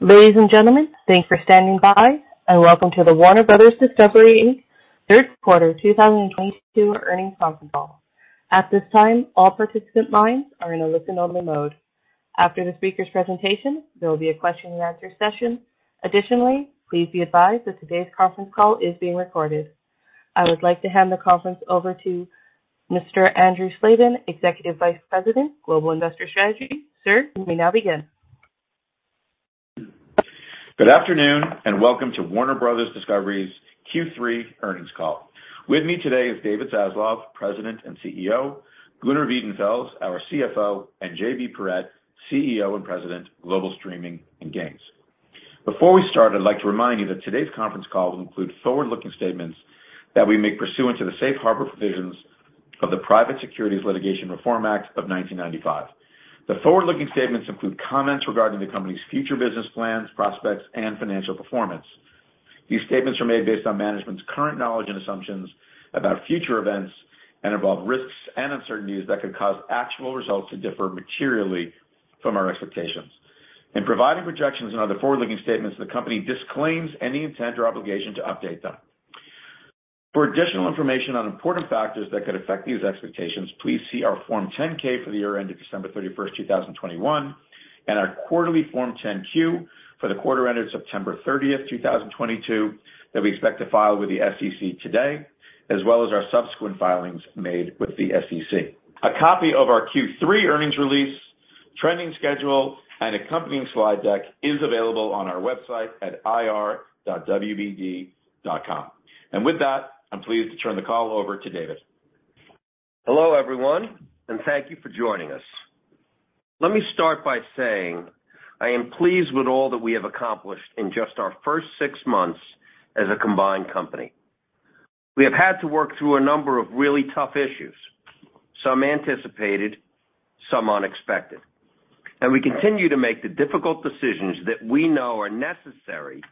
Ladies and gentlemen, thanks for standing by, and welcome to the Warner Bros. Discovery Third Quarter 2022 Earnings Conference Call. At this time, all participant lines are in a listen-only mode. After the speaker's presentation, there will be a question-and-answer session. Additionally, please be advised that today's conference call is being recorded. I would like to hand the conference over to Mr. Andrew Slabin, Executive Vice President, Global Investor Strategy. Sir, you may now begin. Good afternoon, and welcome to Warner Bros. Discovery's Q3 Earnings Call. With me today is David Zaslav, President and CEO, Gunnar Wiedenfels, our CFO, and JB Perrette, CEO and President, Global Streaming and Games. Before we start, I'd like to remind you that today's conference call will include forward-looking statements that we make pursuant to the safe harbor provisions of the Private Securities Litigation Reform Act of 1995. The forward-looking statements include comments regarding the company's future business plans, prospects, and financial performance. These statements are made based on management's current knowledge and assumptions about future events and involve risks and uncertainties that could cause actual results to differ materially from our expectations. In providing projections and other forward-looking statements, the company disclaims any intent or obligation to update them. For additional information on important factors that could affect these expectations, please see our Form 10-K for the year ended December 31st, 2021, and our quarterly Form 10-Q for the quarter ended September 30th, 2022, that we expect to file with the SEC today, as well as our subsequent filings made with the SEC. A copy of our Q3 earnings release, trending schedule, and accompanying slide deck is available on our website at ir.wbd.com. With that, I'm pleased to turn the call over to David. Hello, everyone, and thank you for joining us. Let me start by saying I am pleased with all that we have accomplished in just our first six months as a combined company. We have had to work through a number of really tough issues, some anticipated, some unexpected, and we continue to make the difficult decisions that we know are necessary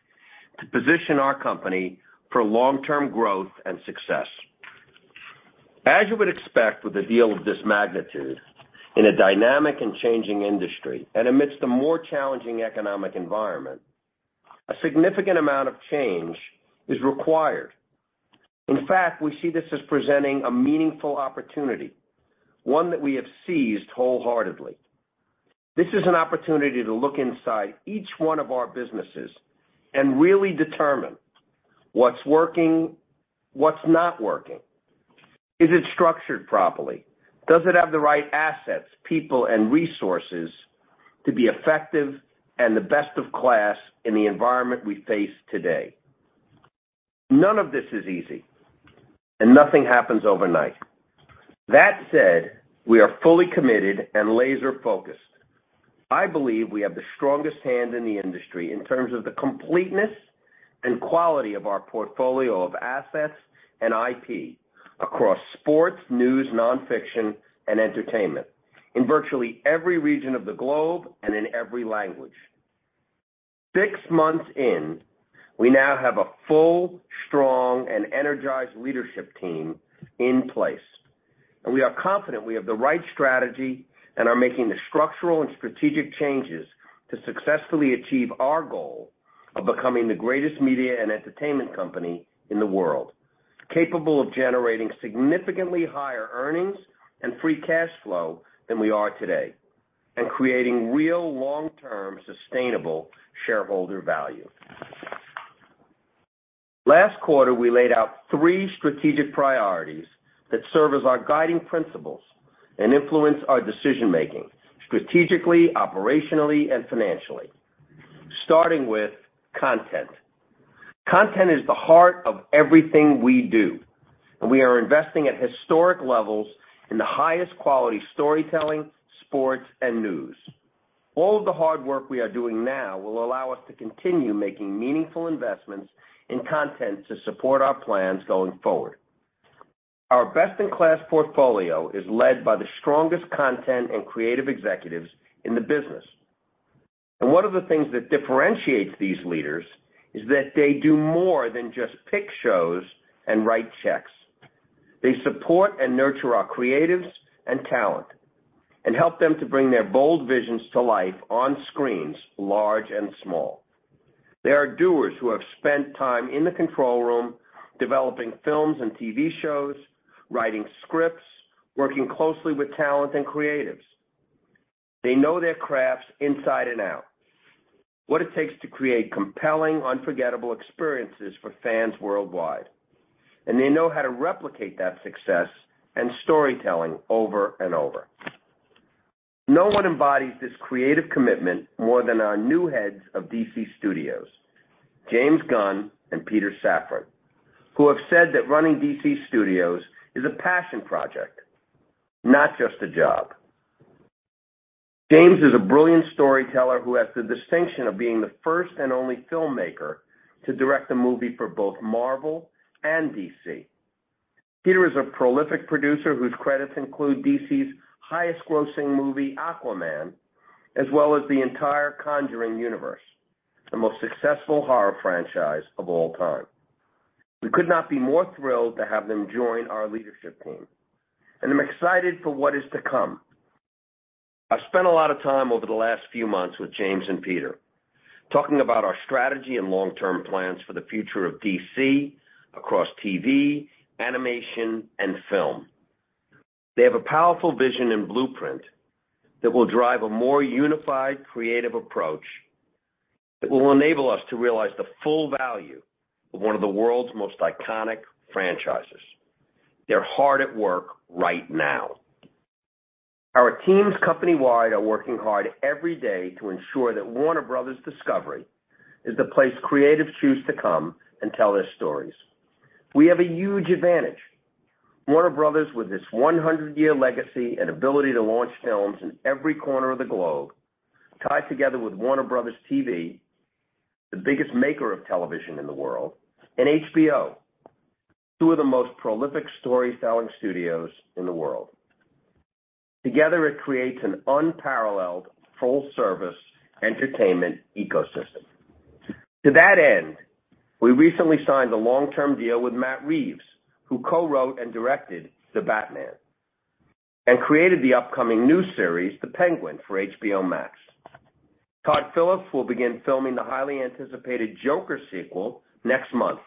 to position our company for long-term growth and success. As you would expect with a deal of this magnitude in a dynamic and changing industry and amidst a more challenging economic environment, a significant amount of change is required. In fact, we see this as presenting a meaningful opportunity, one that we have seized wholeheartedly. This is an opportunity to look inside each one of our businesses and really determine what's working, what's not working. Is it structured properly? Does it have the right assets, people, and resources to be effective and the best of class in the environment we face today? None of this is easy, and nothing happens overnight. That said, we are fully committed and laser-focused. I believe we have the strongest hand in the industry in terms of the completeness and quality of our portfolio of assets and IP across sports, news, nonfiction, and entertainment in virtually every region of the globe and in every language. Six months in, we now have a full, strong, and energized leadership team in place, and we are confident we have the right strategy and are making the structural and strategic changes to successfully achieve our goal of becoming the greatest media and entertainment company in the world, capable of generating significantly higher earnings and free cash flow than we are today and creating real long-term sustainable shareholder value. Last quarter, we laid out three strategic priorities that serve as our guiding principles and influence our decision-making strategically, operationally, and financially, starting with content. Content is the heart of everything we do, and we are investing at historic levels in the highest quality storytelling, sports, and news. All of the hard work we are doing now will allow us to continue making meaningful investments in content to support our plans going forward. Our best-in-class portfolio is led by the strongest content and creative executives in the business. One of the things that differentiates these leaders is that they do more than just pick shows and write checks. They support and nurture our creatives and talent and help them to bring their bold visions to life on screens large and small. They are doers who have spent time in the control room developing films and TV shows, writing scripts, working closely with talent and creatives. They know their crafts inside and out, what it takes to create compelling, unforgettable experiences for fans worldwide, and they know how to replicate that success and storytelling over and over. No one embodies this creative commitment more than our new heads of DC Studios, James Gunn and Peter Safran, who have said that running DC Studios is a passion project, not just a job. James is a brilliant storyteller who has the distinction of being the first and only filmmaker to direct a movie for both Marvel and DC. Peter is a prolific producer whose credits include DC's highest-grossing movie, Aquaman, as well as the entire Conjuring universe, the most successful horror franchise of all time. We could not be more thrilled to have them join our leadership team, and I'm excited for what is to come. I've spent a lot of time over the last few months with James and Peter talking about our strategy and long-term plans for the future of DC across TV, animation, and film. They have a powerful vision and blueprint that will drive a more unified creative approach that will enable us to realize the full value of one of the world's most iconic franchises. They're hard at work right now. Our teams company-wide are working hard every day to ensure that Warner Bros. Discovery is the place creatives choose to come and tell their stories. We have a huge advantage. Warner Bros. With its 100-year legacy and ability to launch films in every corner of the globe, tied together with Warner Bros. TV, the biggest maker of television in the world, and HBO, two of the most prolific storytelling studios in the world. Together, it creates an unparalleled full-service entertainment ecosystem. To that end, we recently signed a long-term deal with Matt Reeves, who co-wrote and directed The Batman and created the upcoming new series, The Penguin, for HBO Max. Todd Phillips will begin filming the highly anticipated Joker sequel next month.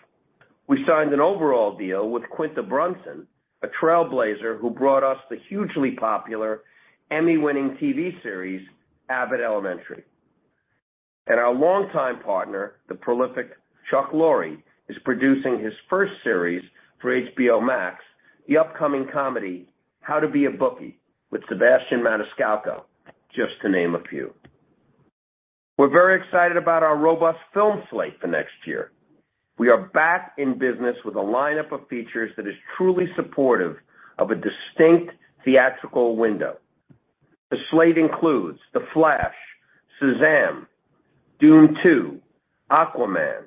We signed an overall deal with Quinta Brunson, a trailblazer who brought us the hugely popular Emmy-winning TV series, Abbott Elementary. Our longtime partner, the prolific Chuck Lorre, is producing his first series for HBO Max, the upcoming comedy, Bookie, with Sebastian Maniscalco, just to name a few. We're very excited about our robust film slate for next year. We are back in business with a lineup of features that is truly supportive of a distinct theatrical window. The slate includes The Flash, Shazam!, Dune II, Aquaman,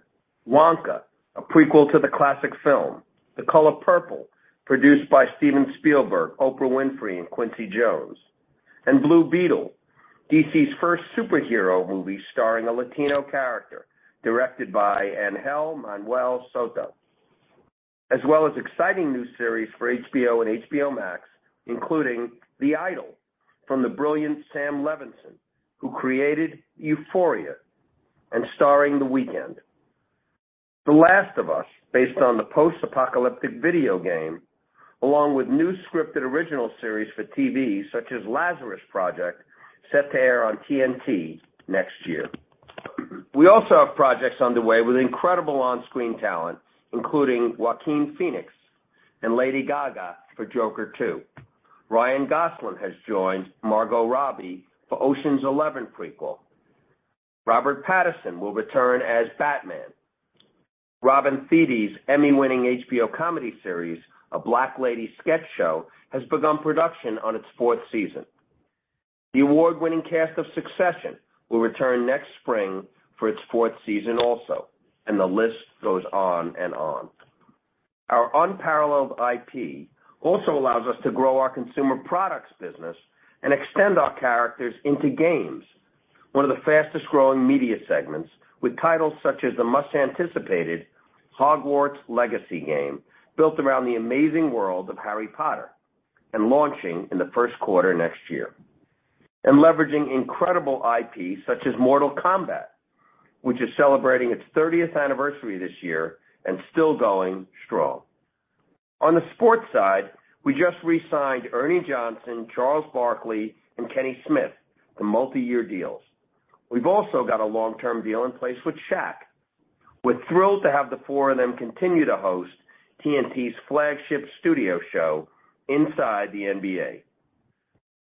Wonka, a prequel to the classic film, The Color Purple, produced by Steven Spielberg, Oprah Winfrey, and Quincy Jones, and Blue Beetle, DC's first superhero movie starring a Latino character, directed by Ángel Manuel Soto. As well as exciting new series for HBO and HBO Max, including The Idol from the brilliant Sam Levinson, who created Euphoria and starring The Weeknd. The Last of Us, based on the post-apocalyptic video game, along with new scripted original series for TV, such as The Lazarus Project, set to air on TNT next year. We also have projects underway with incredible on-screen talent, including Joaquin Phoenix and Lady Gaga for Joker II. Ryan Gosling has joined Margot Robbie for Ocean's Eleven prequel. Robert Pattinson will return as Batman. Robin Thede's Emmy-winning HBO comedy series, A Black Lady Sketch Show, has begun production on its fourth season. The award-winning cast of Succession will return next spring for its fourth season also, and the list goes on and on. Our unparalleled IP also allows us to grow our consumer products business and extend our characters into games, one of the fastest-growing media segments with titles such as the most anticipated Hogwarts Legacy game, built around the amazing world of Harry Potter and launching in the first quarter next year. Leveraging incredible IP such as Mortal Kombat, which is celebrating its thirtieth anniversary this year and still going strong. On the sports side, we just re-signed Ernie Johnson, Charles Barkley, and Kenny Smith to multiyear deals. We've also got a long-term deal in place with Shaq. We're thrilled to have the four of them continue to host TNT's flagship studio show, Inside the NBA.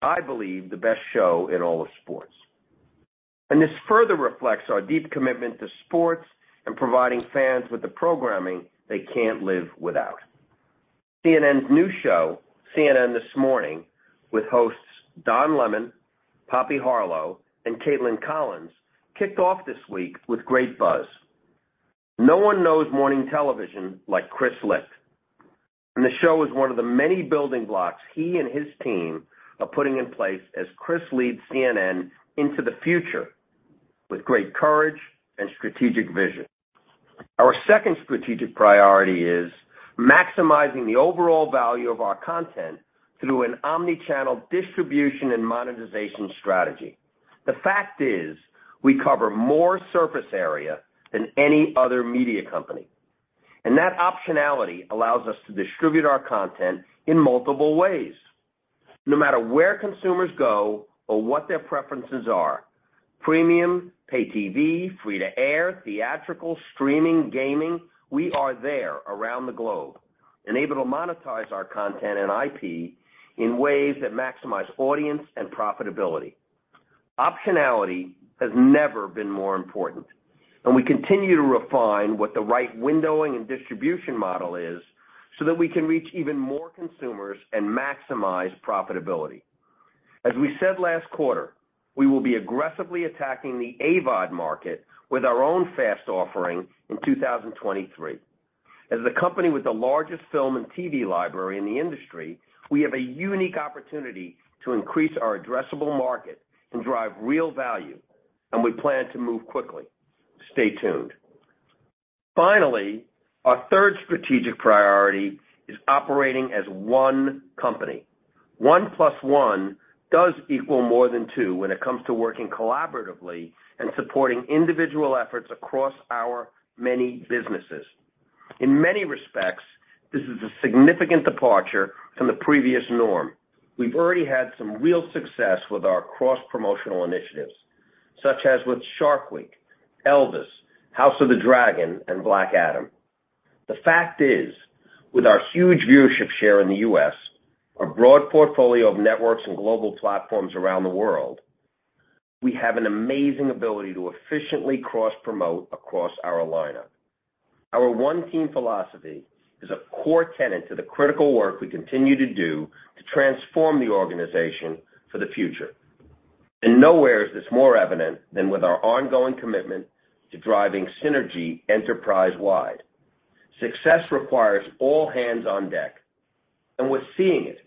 I believe the best show in all of sports. This further reflects our deep commitment to sports and providing fans with the programming they can't live without. CNN's new show, CNN This Morning, with hosts Don Lemon, Poppy Harlow, and Kaitlan Collins, kicked off this week with great buzz. No one knows morning television like Chris Licht. The show is one of the many building blocks he and his team are putting in place as Chris leads CNN into the future with great courage and strategic vision. Our second strategic priority is maximizing the overall value of our content through an omnichannel distribution and monetization strategy. The fact is we cover more surface area than any other media company, and that optionality allows us to distribute our content in multiple ways. No matter where consumers go or what their preferences are, premium, pay TV, free to air, theatrical, streaming, gaming, we are there around the globe and able to monetize our content and IP in ways that maximize audience and profitability. Optionality has never been more important, and we continue to refine what the right windowing and distribution model is so that we can reach even more consumers and maximize profitability. As we said last quarter, we will be aggressively attacking the AVOD market with our own FAST offering in 2023. As a company with the largest film and TV library in the industry, we have a unique opportunity to increase our addressable market and drive real value. We plan to move quickly. Stay tuned. Finally, our third strategic priority is operating as one company. One plus one does equal more than two when it comes to working collaboratively and supporting individual efforts across our many businesses. In many respects, this is a significant departure from the previous norm. We've already had some real success with our cross-promotional initiatives, such as with Shark Week, Elvis, House of the Dragon, and Black Adam. The fact is, with our huge viewership share in the U.S., our broad portfolio of networks and global platforms around the world, we have an amazing ability to efficiently cross-promote across our lineup. Our one team philosophy is a core tenet to the critical work we continue to do to transform the organization for the future. Nowhere is this more evident than with our ongoing commitment to driving synergy enterprise-wide. Success requires all hands on deck, and we're seeing it.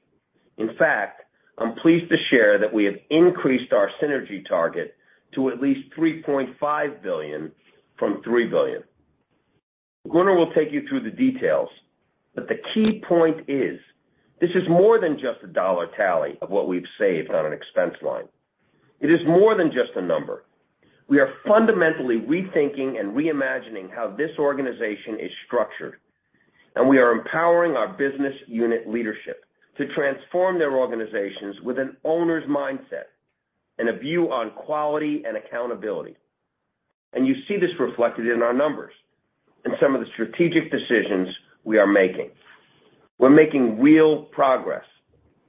In fact, I'm pleased to share that we have increased our synergy target to at least $3.5 billion from $3 billion. Gunnar will take you through the details, but the key point is this is more than just a dollar tally of what we've saved on an expense line. It is more than just a number. We are fundamentally rethinking and reimagining how this organization is structured, and we are empowering our business unit leadership to transform their organizations with an owner's mindset and a view on quality and accountability. You see this reflected in our numbers and some of the strategic decisions we are making. We're making real progress,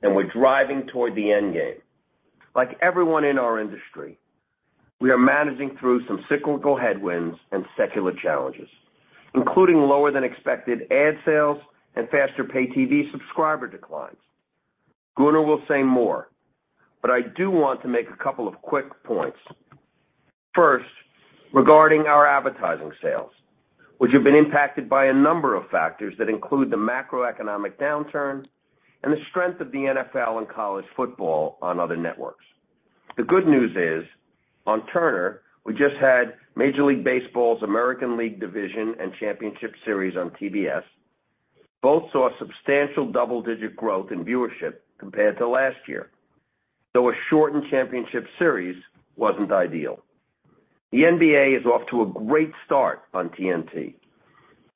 and we're driving toward the endgame. Like everyone in our industry, we are managing through some cyclical headwinds and secular challenges, including lower-than-expected ad sales and faster pay TV subscriber declines. Gunnar will say more, but I do want to make a couple of quick points. First, regarding our advertising sales, which have been impacted by a number of factors that include the macroeconomic downturn and the strength of the NFL and college football on other networks. The good news is, on Turner, we just had Major League Baseball's American League Division and Championship Series on TBS. Both saw substantial double-digit growth in viewership compared to last year, though a shortened championship series wasn't ideal. The NBA is off to a great start on TNT,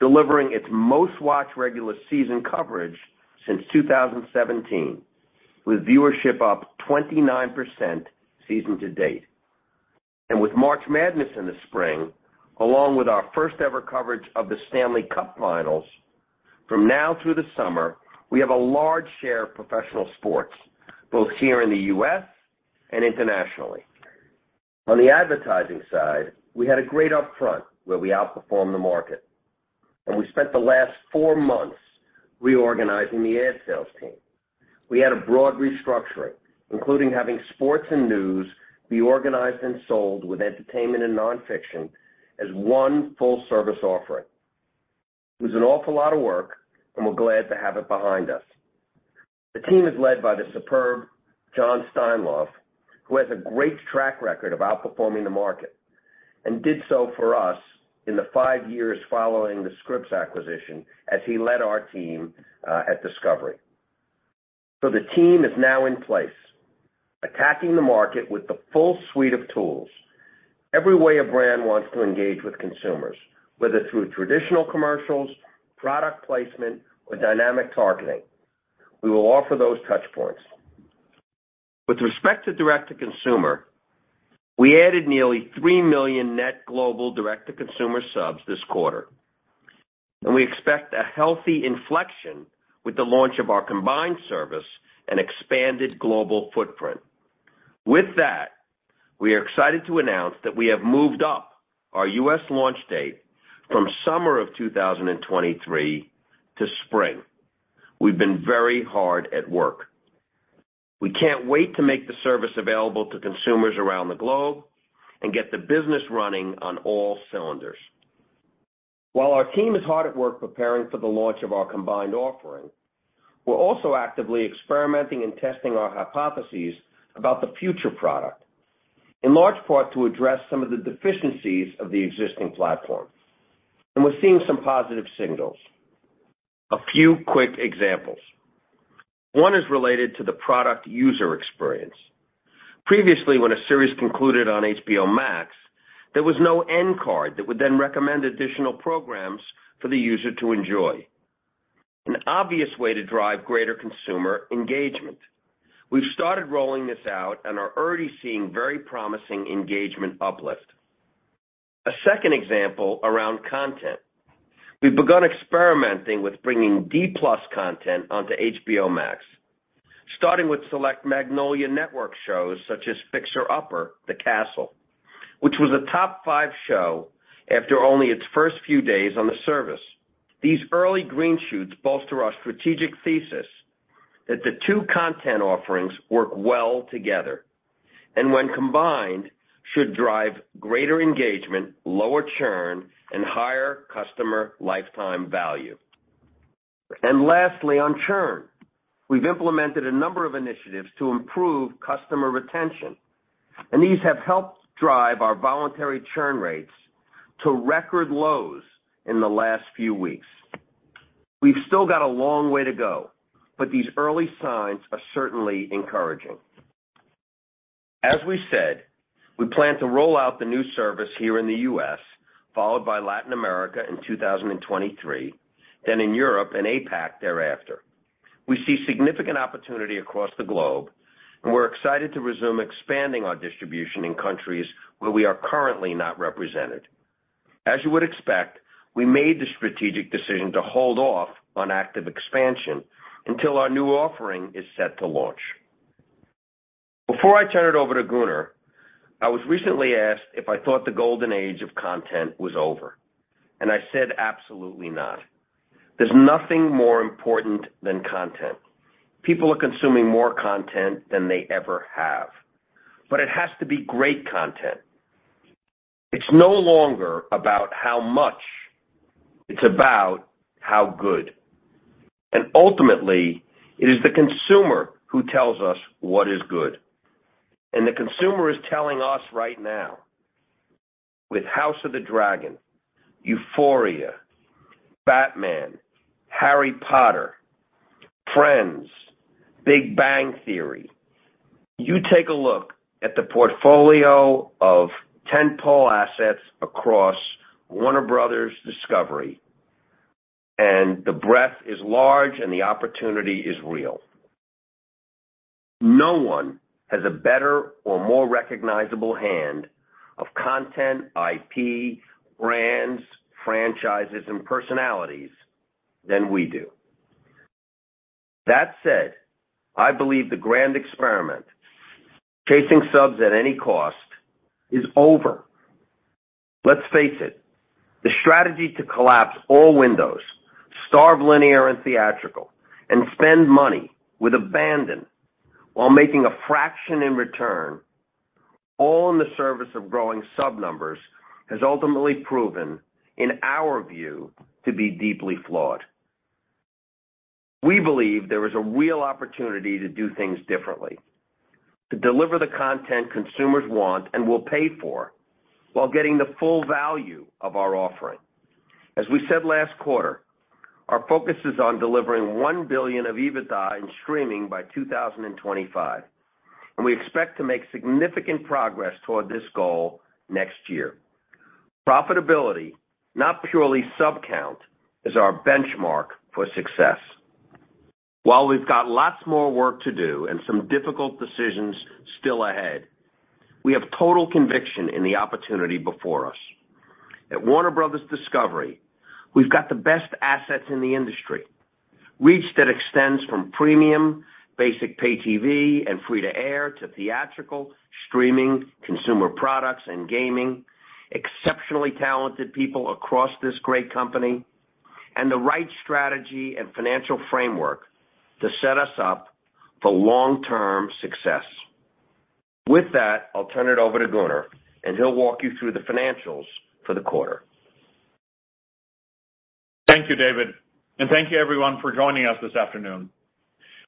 delivering its most-watched regular season coverage since 2017, with viewership up 29% season to date. With March Madness in the spring, along with our first-ever coverage of the Stanley Cup Finals, from now through the summer, we have a large share of professional sports, both here in the U.S. and internationally. On the advertising side, we had a great upfront where we outperformed the market, and we spent the last four months reorganizing the ad sales team. We had a broad restructuring, including having sports and news be organized and sold with entertainment and nonfiction as one full-service offering. It was an awful lot of work, and we're glad to have it behind us. The team is led by the superb Jon Steinlauf, who has a great track record of outperforming the market and did so for us in the five years following the Scripps acquisition as he led our team at Discovery. The team is now in place, attacking the market with the full suite of tools. Every way a brand wants to engage with consumers, whether through traditional commercials, product placement, or dynamic targeting, we will offer those touch points. With respect to direct-to-consumer, we added nearly 3 million net global direct-to-consumer subs this quarter, and we expect a healthy inflection with the launch of our combined service and expanded global footprint. With that, we are excited to announce that we have moved up our U.S. launch date from summer of 2023 to spring. We've been very hard at work. We can't wait to make the service available to consumers around the globe and get the business running on all cylinders. While our team is hard at work preparing for the launch of our combined offering, we're also actively experimenting and testing our hypotheses about the future product, in large part to address some of the deficiencies of the existing platform. We're seeing some positive signals. A few quick examples. One is related to the product user experience. Previously, when a series concluded on HBO Max, there was no end card that would then recommend additional programs for the user to enjoy, an obvious way to drive greater consumer engagement. We've started rolling this out and are already seeing very promising engagement uplift. A second example around content. We've begun experimenting with bringing D+ content onto HBO Max, starting with select Magnolia Network shows such as Fixer Upper: The Castle, which was a top-five show after only its first few days on the service. These early green shoots bolster our strategic thesis that the two content offerings work well together, and when combined, should drive greater engagement, lower churn, and higher customer lifetime value. Lastly, on churn. We've implemented a number of initiatives to improve customer retention, and these have helped drive our voluntary churn rates to record lows in the last few weeks. We've still got a long way to go, but these early signs are certainly encouraging. As we said, we plan to roll out the new service here in the U.S., followed by Latin America in 2023, then in Europe and APAC thereafter. We see significant opportunity across the globe, and we're excited to resume expanding our distribution in countries where we are currently not represented. As you would expect, we made the strategic decision to hold off on active expansion until our new offering is set to launch. Before I turn it over to Gunnar, I was recently asked if I thought the golden age of content was over, and I said absolutely not. There's nothing more important than content. People are consuming more content than they ever have, but it has to be great content. It's no longer about how much, it's about how good. Ultimately, it is the consumer who tells us what is good. The consumer is telling us right now with House of the Dragon, Euphoria, Batman, Harry Potter, Friends, The Big Bang Theory. You take a look at the portfolio of tent-pole assets across Warner Bros. Discovery, and the breadth is large and the opportunity is real. No one has a better or more recognizable hand of content, IP, brands, franchises, and personalities than we do. That said, I believe the grand experiment, chasing subs at any cost, is over. Let's face it, the strategy to collapse all windows, starve linear and theatrical, and spend money with abandon while making a fraction in return, all in the service of growing sub numbers, has ultimately proven, in our view, to be deeply flawed. We believe there is a real opportunity to do things differently, to deliver the content consumers want and will pay for while getting the full value of our offering. As we said last quarter, our focus is on delivering $1 billion of EBITDA in streaming by 2025, and we expect to make significant progress toward this goal next year. Profitability, not purely sub-count, is our benchmark for success. While we've got lots more work to do and some difficult decisions still ahead, we have total conviction in the opportunity before us. At Warner Bros. Discovery, we've got the best assets in the industry. Reach that extends from premium, basic pay TV and free to air, to theatrical, streaming, consumer products and gaming, exceptionally talented people across this great company, and the right strategy and financial framework to set us up for long-term success. With that, I'll turn it over to Gunnar, and he'll walk you through the financials for the quarter. Thank you, David, and thank you everyone for joining us this afternoon.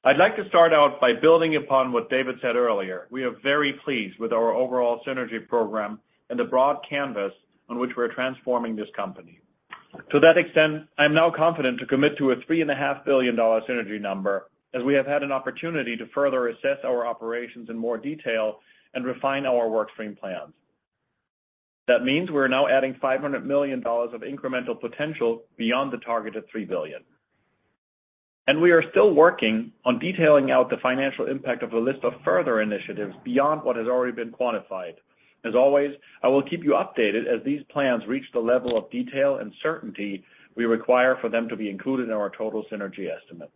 I'd like to start out by building upon what David said earlier. We are very pleased with our overall synergy program and the broad canvas on which we're transforming this company. To that extent, I'm now confident to commit to a $3.5 billion synergy number as we have had an opportunity to further assess our operations in more detail and refine our work stream plans. That means we're now adding $500 million of incremental potential beyond the target of $3 billion. We are still working on detailing out the financial impact of a list of further initiatives beyond what has already been quantified. As always, I will keep you updated as these plans reach the level of detail and certainty we require for them to be included in our total synergy estimate.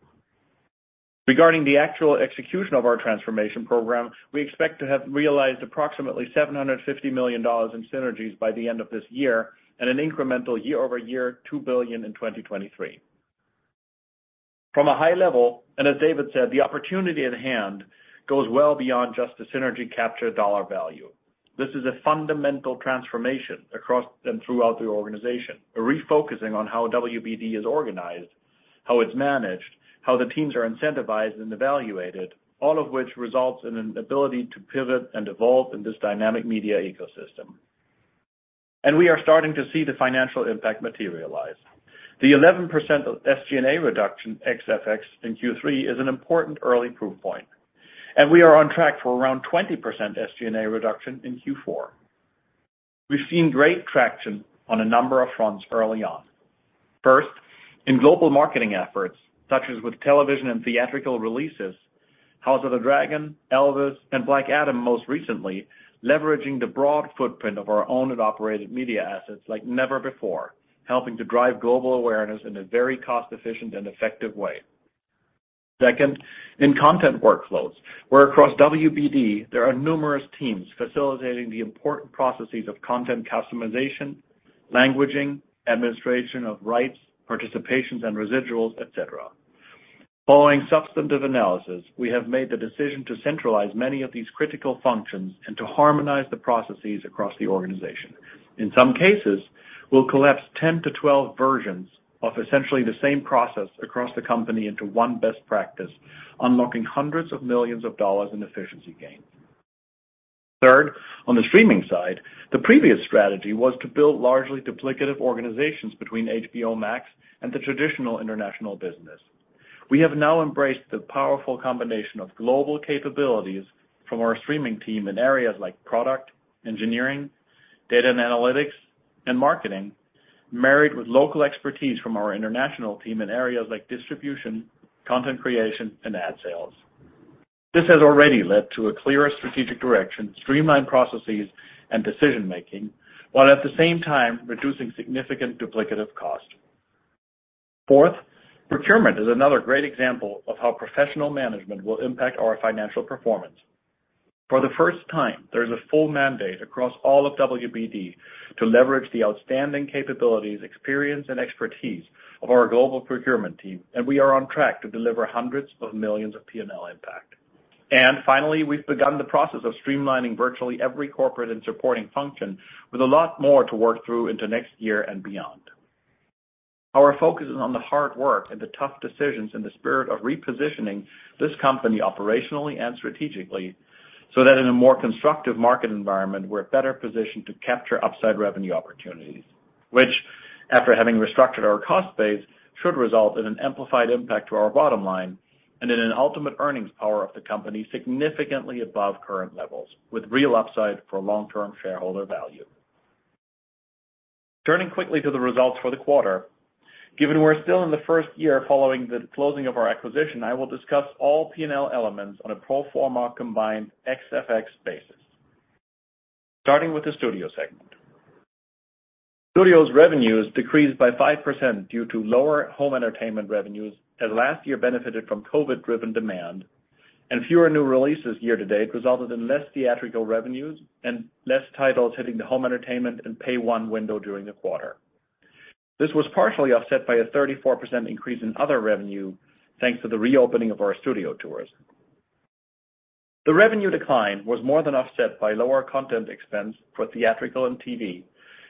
Regarding the actual execution of our transformation program, we expect to have realized approximately $750 million in synergies by the end of this year and an incremental year-over-year $2 billion in 2023. From a high level, and as David said, the opportunity at hand goes well beyond just the synergy capture dollar value. This is a fundamental transformation across and throughout the organization, a refocusing on how WBD is organized, how it's managed, how the teams are incentivized and evaluated, all of which results in an ability to pivot and evolve in this dynamic media ecosystem. We are starting to see the financial impact materialize. The 11% SG&A reduction ex FX in Q3 is an important early proof point, and we are on track for around 20% SG&A reduction in Q4. We've seen great traction on a number of fronts early on. First, in global marketing efforts, such as with television and theatrical releases, House of the Dragon, Elvis, and Black Adam most recently, leveraging the broad footprint of our owned and operated media assets like never before, helping to drive global awareness in a very cost-efficient and effective way. Second, in content workflows, where across WBD there are numerous teams facilitating the important processes of content customization, languaging, administration of rights, participations and residuals, et cetera. Following substantive analysis, we have made the decision to centralize many of these critical functions and to harmonize the processes across the organization. In some cases, we'll collapse 10-12 versions of essentially the same process across the company into one best practice, unlocking hundreds of millions in efficiency gains. Third, on the streaming side, the previous strategy was to build largely duplicative organizations between HBO Max and the traditional international business. We have now embraced the powerful combination of global capabilities from our streaming team in areas like product, engineering, data and analytics, and marketing, married with local expertise from our international team in areas like distribution, content creation, and ad sales. This has already led to a clearer strategic direction, streamlined processes and decision-making, while at the same time reducing significant duplicative costs. Fourth, procurement is another great example of how professional management will impact our financial performance. For the first time, there's a full mandate across all of WBD to leverage the outstanding capabilities, experience, and expertise of our global procurement team, and we are on track to deliver hundreds of millions of P&L impact. Finally, we've begun the process of streamlining virtually every corporate and supporting function with a lot more to work through into next year and beyond. Our focus is on the hard work and the tough decisions in the spirit of repositioning this company operationally and strategically, so that in a more constructive market environment, we're better positioned to capture upside revenue opportunities, which, after having restructured our cost base, should result in an amplified impact to our bottom line and in an ultimate earnings power of the company significantly above current levels, with real upside for long-term shareholder value. Turning quickly to the results for the quarter. Given we're still in the first year following the closing of our acquisition, I will discuss all P&L elements on a pro forma combined ex-FX basis. Starting with the studio segment. Studio's revenues decreased by 5% due to lower home entertainment revenues, as last year benefited from COVID-driven demand and fewer new releases year-to-date resulted in less theatrical revenues and less titles hitting the home entertainment and pay-one window during the quarter. This was partially offset by a 34% increase in other revenue, thanks to the reopening of our studio tours. The revenue decline was more than offset by lower content expense for theatrical and TV,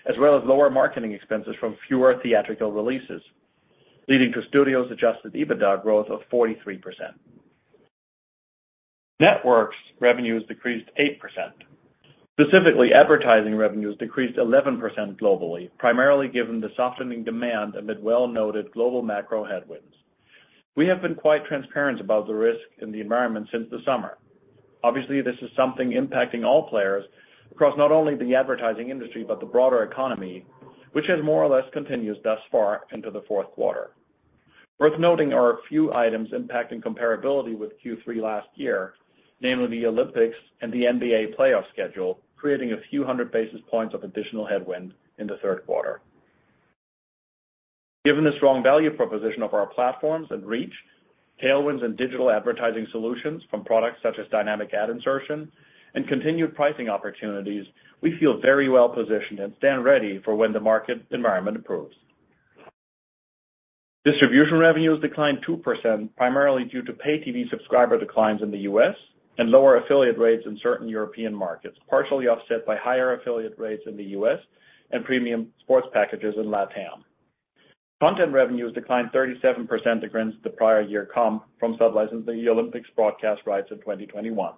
as well as lower marketing expenses from fewer theatrical releases, leading to Studio's adjusted EBITDA growth of 43%. Networks revenues decreased 8%. Specifically, advertising revenues decreased 11% globally, primarily given the softening demand amid well-noted global macro headwinds. We have been quite transparent about the risk in the environment since the summer. Obviously, this is something impacting all players across not only the advertising industry, but the broader economy, which has more or less continues thus far into the fourth quarter. Worth noting are a few items impacting comparability with Q3 last year, namely the Olympics and the NBA playoff schedule, creating a few hundred basis points of additional headwind in the third quarter. Given the strong value proposition of our platforms and reach, tailwinds and digital advertising solutions from products such as dynamic ad insertion and continued pricing opportunities, we feel very well positioned and stand ready for when the market environment improves. Distribution revenues declined 2%, primarily due to pay TV subscriber declines in the U.S. and lower affiliate rates in certain European markets, partially offset by higher affiliate rates in the U.S. and premium sports packages in LatAm. Content revenues declined 37% against the prior year comp from sub-licensing the Olympics broadcast rights in 2021.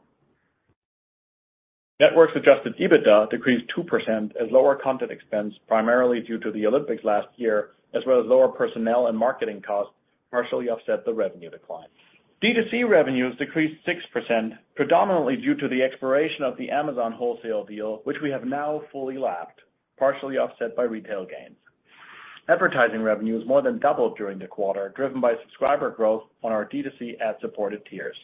Networks adjusted EBITDA decreased 2% as lower content expense, primarily due to the Olympics last year, as well as lower personnel and marketing costs, partially offset the revenue decline. D2C revenues decreased 6%, predominantly due to the expiration of the Amazon wholesale deal, which we have now fully lapped, partially offset by retail gains. Advertising revenues more than doubled during the quarter, driven by subscriber growth on our D2C ad-supported tiers.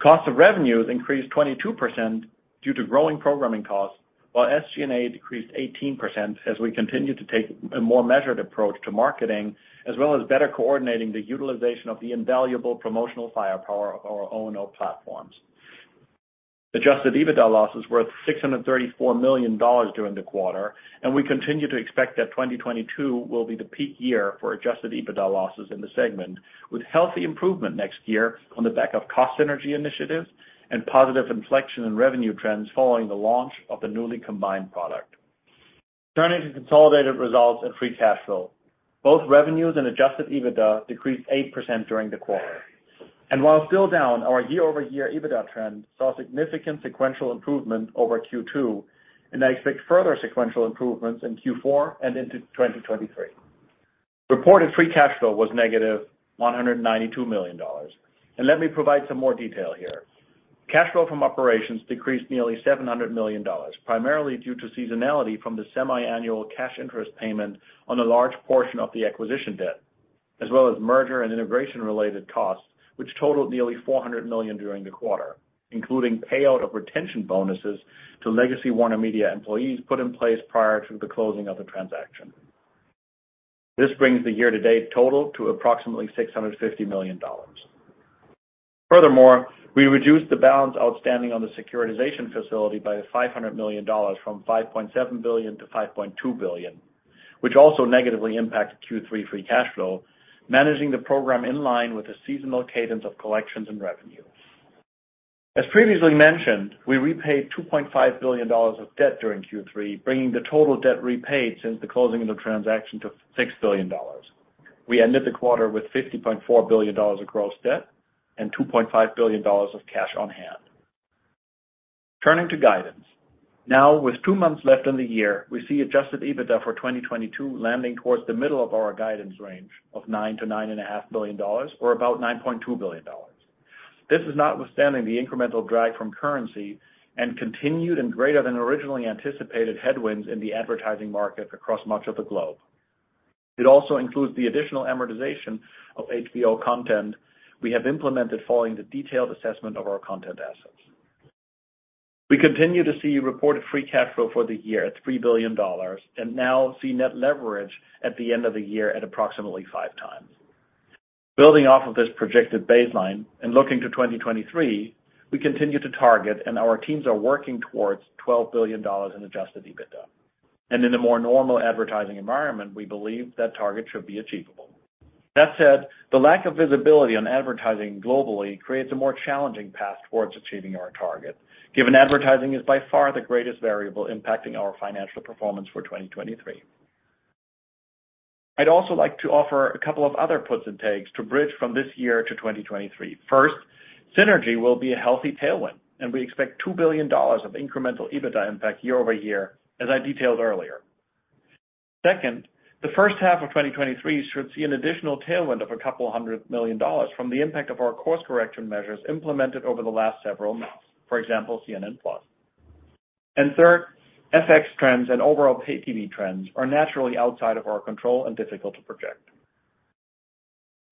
Cost of revenues increased 22% due to growing programming costs, while SG&A decreased 18% as we continue to take a more measured approach to marketing, as well as better coordinating the utilization of the invaluable promotional firepower of our O&O platforms. Adjusted EBITDA losses were $634 million during the quarter, and we continue to expect that 2022 will be the peak year for adjusted EBITDA losses in the segment, with healthy improvement next year on the back of cost synergy initiatives and positive inflection in revenue trends following the launch of the newly combined product. Turning to consolidated results and free cash flow. Both revenues and adjusted EBITDA decreased 8% during the quarter. While still down, our year-over-year EBITDA trend saw significant sequential improvement over Q2, and I expect further sequential improvements in Q4 and into 2023. Reported free cash flow was negative $192 million. Let me provide some more detail here. Cash flow from operations decreased nearly $700 million, primarily due to seasonality from the semiannual cash interest payment on a large portion of the acquisition debt, as well as merger and integration-related costs, which totaled nearly $400 million during the quarter, including payout of retention bonuses to legacy WarnerMedia employees put in place prior to the closing of the transaction. This brings the year-to-date total to approximately $650 million. Furthermore, we reduced the balance outstanding on the securitization facility by $500 million from $5.7 billion to $5.2 billion, which also negatively impacted Q3 free cash flow, managing the program in line with the seasonal cadence of collections and revenue. As previously mentioned, we repaid $2.5 billion of debt during Q3, bringing the total debt repaid since the closing of the transaction to $6 billion. We ended the quarter with $50.4 billion of gross debt and $2.5 billion of cash on hand. Turning to guidance. Now, with two months left in the year, we see adjusted EBITDA for 2022 landing towards the middle of our guidance range of $9 billion-$9.5 billion or about $9.2 billion. This is notwithstanding the incremental drag from currency and continued and greater than originally anticipated headwinds in the advertising market across much of the globe. It also includes the additional amortization of HBO content we have implemented following the detailed assessment of our content assets. We continue to see reported free cash flow for the year at $3 billion and now see net leverage at the end of the year at approximately 5x. Building off of this projected baseline and looking to 2023, we continue to target, and our teams are working towards $12 billion in adjusted EBITDA. In a more normal advertising environment, we believe that target should be achievable. That said, the lack of visibility on advertising globally creates a more challenging path towards achieving our target, given advertising is by far the greatest variable impacting our financial performance for 2023. I'd also like to offer a couple of other puts and takes to bridge from this year to 2023. First, synergy will be a healthy tailwind, and we expect $2 billion of incremental EBITDA impact year over year, as I detailed earlier. Second, the first half of 2023 should see an additional tailwind of $200 million from the impact of our course correction measures implemented over the last several months, for example, CNN+. Third, FX trends and overall pay TV trends are naturally outside of our control and difficult to project.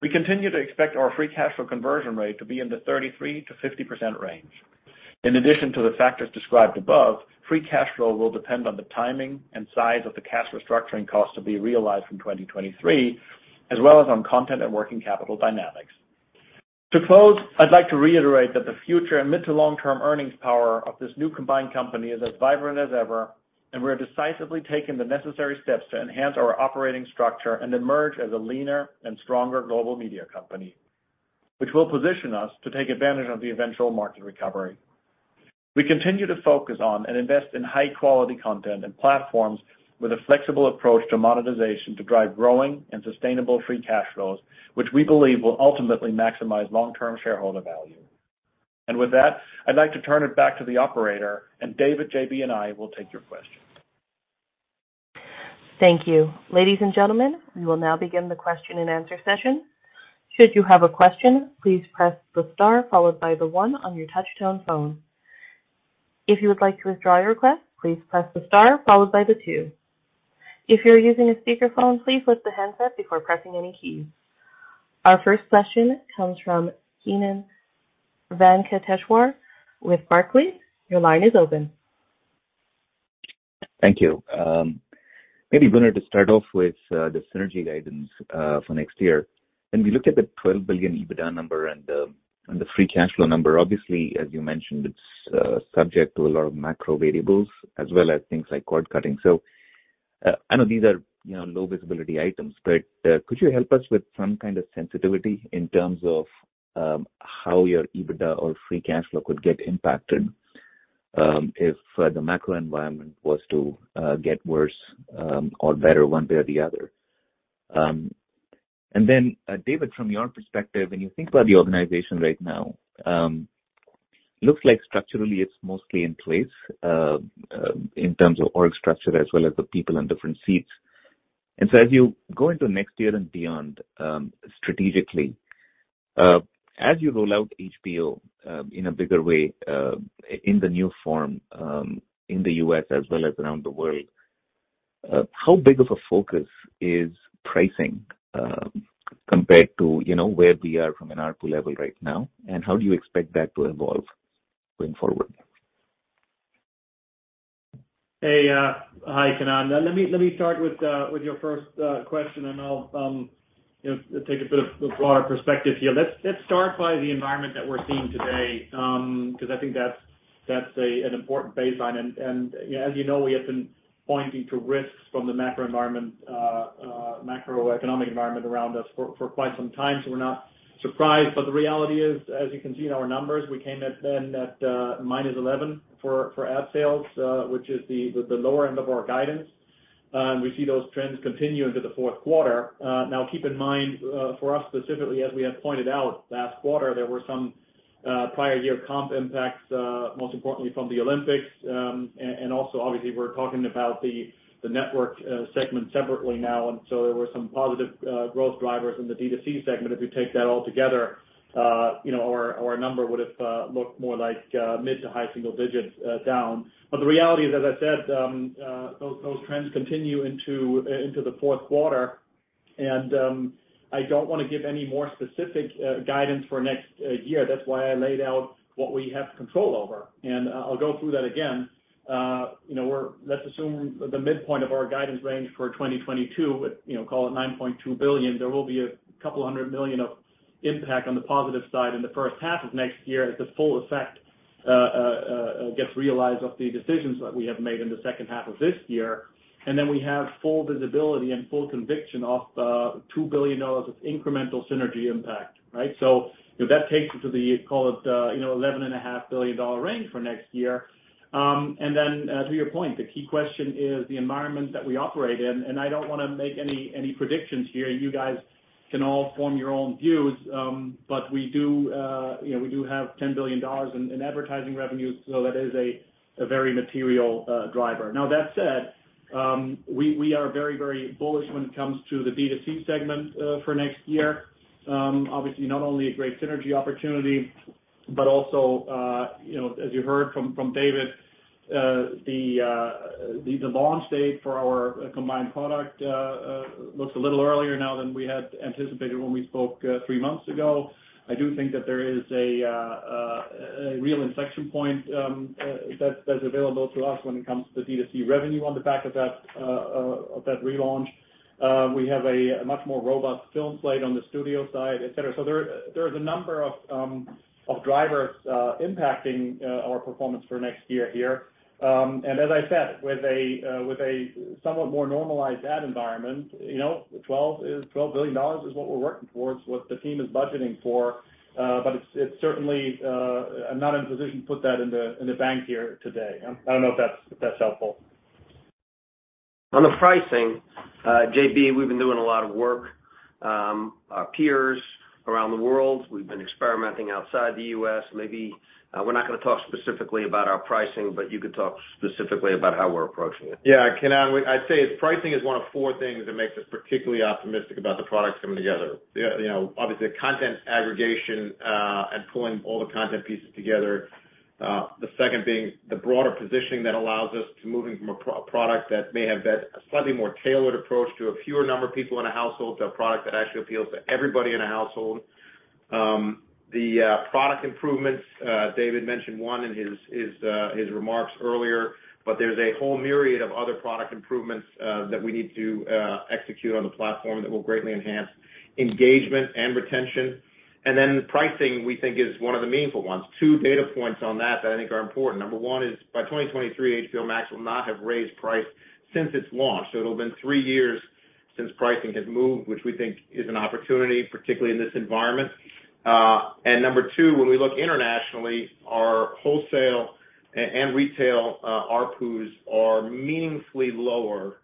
We continue to expect our free cash flow conversion rate to be in the 33%-50% range. In addition to the factors described above, free cash flow will depend on the timing and size of the cash restructuring cost to be realized in 2023, as well as on content and working capital dynamics. To close, I'd like to reiterate that the future and mid to long-term earnings power of this new combined company is as vibrant as ever, and we are decisively taking the necessary steps to enhance our operating structure and emerge as a leaner and stronger global media company, which will position us to take advantage of the eventual market recovery. We continue to focus on and invest in high-quality content and platforms with a flexible approach to monetization to drive growing and sustainable free cash flows, which we believe will ultimately maximize long-term shareholder value. With that, I'd like to turn it back to the operator, and David, JB, and I will take your questions. Thank you. Ladies and gentlemen, we will now begin the question-and-answer session. Should you have a question, please press the star followed by the one on your touch-tone phone. If you would like to withdraw your request, please press the star followed by the two. If you're using a speakerphone, please lift the handset before pressing any keys. Our first question comes from Kannan Venkateshwar with Barclays. Your line is open. Thank you. Maybe, Gunnar, to start off with, the synergy guidance for next year. When we look at the $12 billion EBITDA number and the free cash flow number, obviously, as you mentioned, it's subject to a lot of macro variables as well as things like cord cutting. I know these are, you know, low visibility items, but could you help us with some kind of sensitivity in terms of how your EBITDA or free cash flow could get impacted if the macro environment was to get worse or better one way or the other? Then, David, from your perspective, when you think about the organization right now, looks like structurally it's mostly in place in terms of org structure as well as the people in different seats. As you go into next year and beyond, strategically, as you roll out HBO in a bigger way, in the new form, in the U.S. as well as around the world, how big of a focus is pricing, compared to, you know, where we are from an ARPU level right now? How do you expect that to evolve going forward? Hey, hi, Kannan. Let me start with your first question, and I'll, you know, take a bit of broader perspective here. Let's start by the environment that we're seeing today, because I think that's an important baseline. You know, as you know, we have been pointing to risks from the macroeconomic environment around us for quite some time, so we're not surprised. The reality is, as you can see in our numbers, we came in at -11% for ad sales, which is the lower end of our guidance. We see those trends continue into the fourth quarter. Now keep in mind, for us specifically, as we had pointed out last quarter, there were some prior year comp impacts, most importantly from the Olympics. Also obviously, we're talking about the network segment separately now. There were some positive growth drivers in the D2C segment. If you take that all together, you know, our number would've looked more like mid to high-single-digits down. But the reality is, as I said, those trends continue into the fourth quarter. I don't wanna give any more specific guidance for next year. That's why I laid out what we have control over, and I'll go through that again. You know, let's assume the midpoint of our guidance range for 2022 with, you know, call it $9.2 billion. There will be a couple hundred million of impact on the positive side in the first half of next year as the full effect gets realized of the decisions that we have made in the second half of this year. We have full visibility and full conviction of $2 billion of incremental synergy impact, right? That takes us to the, call it, you know, $11.5 billion range for next year. To your point, the key question is the environment that we operate in, and I don't wanna make any predictions here. You guys can all form your own views. We do, you know, we do have $10 billion in advertising revenues, so that is a very material driver. Now, that said, we are very bullish when it comes to the D2C segment for next year. Obviously not only a great synergy opportunity, but also, you know, as you heard from David, the launch date for our combined product looks a little earlier now than we had anticipated when we spoke three months ago. I do think that there is a real inflection point that's available to us when it comes to D2C revenue on the back of that relaunch. We have a much more robust film slate on the studio side, et cetera. There is a number of drivers impacting our performance for next year here. As I said, with a somewhat more normalized ad environment, you know, $12 billion is what we're working towards, what the team is budgeting for. It's certainly. I'm not in a position to put that in the bank here today. I don't know if that's helpful. On the pricing, JB, we've been doing a lot of work with our peers around the world. We've been experimenting outside the U.S. maybe, we're not gonna talk specifically about our pricing, but you could talk specifically about how we're approaching it. Yeah, I can add. I'd say pricing is one of four things that makes us particularly optimistic about the products coming together. You know, obviously, the content aggregation and pulling all the content pieces together. The second being the broader positioning that allows us to moving from a pro-product that may have been a slightly more tailored approach to a fewer number of people in a household, to a product that actually appeals to everybody in a household. The product improvements David mentioned one in his remarks earlier, but there's a whole myriad of other product improvements that we need to execute on the platform that will greatly enhance engagement and retention. The pricing, we think, is one of the meaningful ones. Two data points on that that I think are important. Number one is by 2023, HBO Max will not have raised price since its launch. It'll have been three years since pricing has moved, which we think is an opportunity, particularly in this environment. Number two, when we look internationally, our wholesale and retail ARPUs are meaningfully lower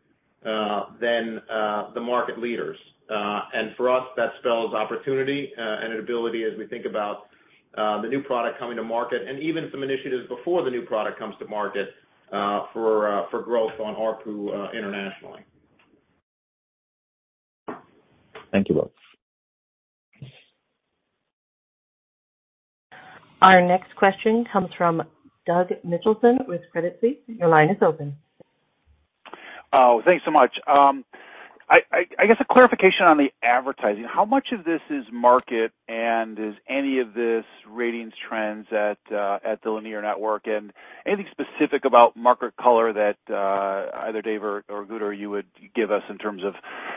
than the market leaders. For us, that spells opportunity and an ability as we think about the new product coming to market and even some initiatives before the new product comes to market for growth on ARPU internationally. Thank you both. Our next question comes from Doug Mitchelson with Credit Suisse. Your line is open. Oh, thanks so much. I guess a clarification on the advertising. How much of this is market and is any of this ratings trends at the linear network? Anything specific about market color that either Dave or Gunnar, you would give us in terms of,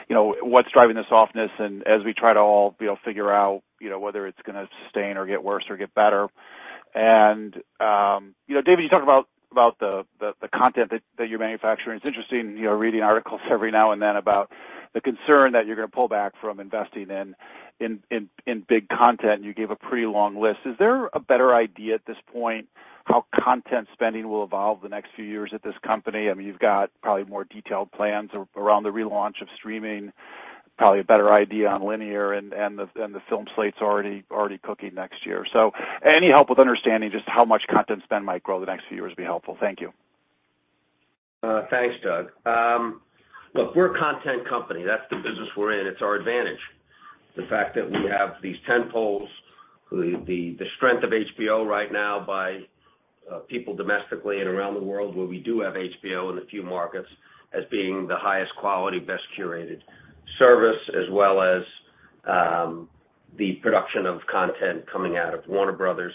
you know, what's driving the softness and as we try to all be able to figure out, you know, whether it's gonna sustain or get worse or get better. You know, David, you talk about the content that you're manufacturing. It's interesting, you know, reading articles every now and then about the concern that you're gonna pull back from investing in big content, and you gave a pretty long list. Is there a better idea at this point how content spending will evolve the next few years at this company? I mean, you've got probably more detailed plans around the relaunch of streaming, probably a better idea on linear and the film slates already cooking next year. Any help with understanding just how much content spend might grow the next few years would be helpful. Thank you. Thanks, Doug. Look, we're a content company. That's the business we're in. It's our advantage. The fact that we have these tentpoles, the strength of HBO right now by people domestically and around the world where we do have HBO in a few markets as being the highest quality, best curated service, as well as the production of content coming out of Warner Bros.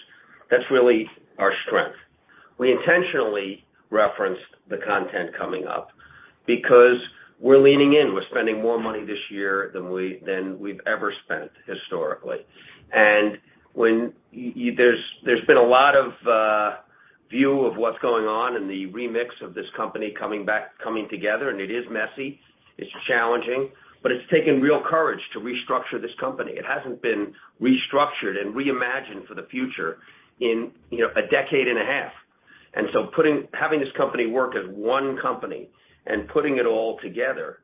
That's really our strength. We intentionally referenced the content coming up because we're leaning in. We're spending more money this year than we've ever spent historically. When there's been a lot of view of what's going on in the remix of this company coming back, coming together, and it is messy, it's challenging, but it's taken real courage to restructure this company. It hasn't been restructured and reimagined for the future in, you know, a decade and a half. Having this company work as one company and putting it all together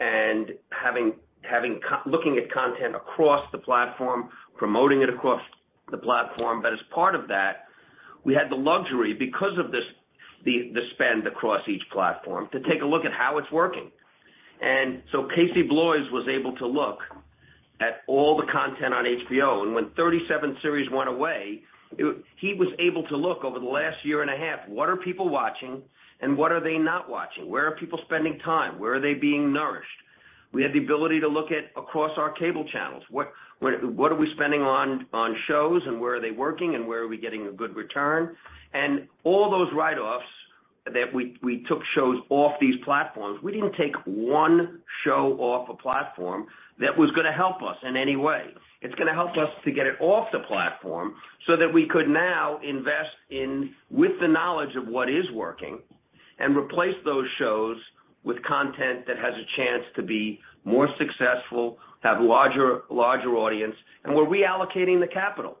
and looking at content across the platform, promoting it across the platform. As part of that, we had the luxury, because of this, the spend across each platform, to take a look at how it's working. Casey Bloys was able to look at all the content on HBO. When 37 series went away, he was able to look over the last year and a half, what are people watching and what are they not watching? Where are people spending time? Where are they being nourished? We had the ability to look at across our cable channels, what are we spending on shows and where are they working and where are we getting a good return? All those write-offs that we took shows off these platforms. We didn't take one show off a platform that was gonna help us in any way. It's gonna help us to get it off the platform so that we could now invest in with the knowledge of what is working and replace those shows with content that has a chance to be more successful, have larger audience, and we're reallocating the capital.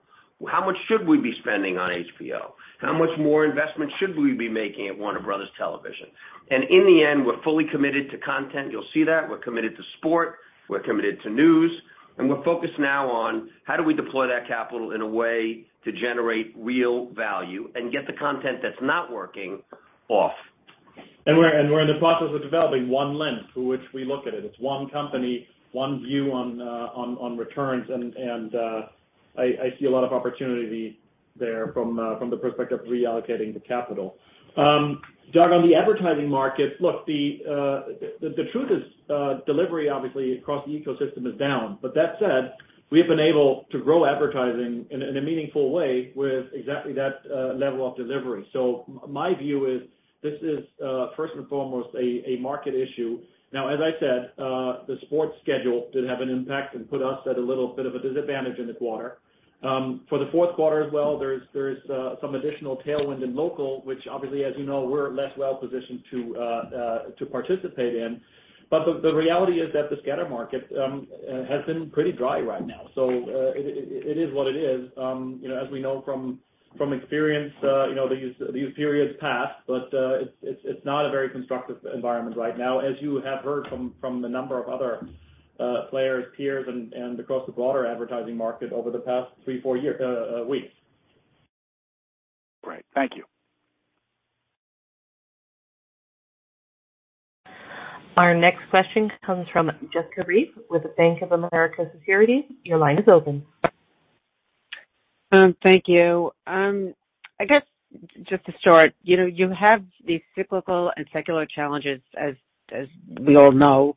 How much should we be spending on HBO? How much more investment should we be making at Warner Bros. Television? In the end, we're fully committed to content. You'll see that. We're committed to sports, we're committed to news, and we're focused now on how do we deploy that capital in a way to generate real value and get the content that's not working off. We're in the process of developing one lens through which we look at it. It's one company, one view on returns. I see a lot of opportunity there from the perspective of reallocating the capital. Doug, on the advertising market. Look, the truth is, delivery obviously across the ecosystem is down. That said, we have been able to grow advertising in a meaningful way with exactly that level of delivery. My view is this is first and foremost a market issue. Now, as I said, the sports schedule did have an impact and put us at a little bit of a disadvantage in the quarter. For the fourth quarter as well, there's some additional tailwind in local, which obviously, as you know, we're less well-positioned to participate in. The reality is that the scatter market has been pretty dry right now. It is what it is. You know, as we know from experience, you know, these periods pass, but it's not a very constructive environment right now, as you have heard from the number of other players, peers, and across the broader advertising market over the past three or four weeks. Right. Thank you. Our next question comes from Jessica Reif with Bank of America Securities. Your line is open. Thank you. I guess just to start, you know, you have these cyclical and secular challenges as we all know.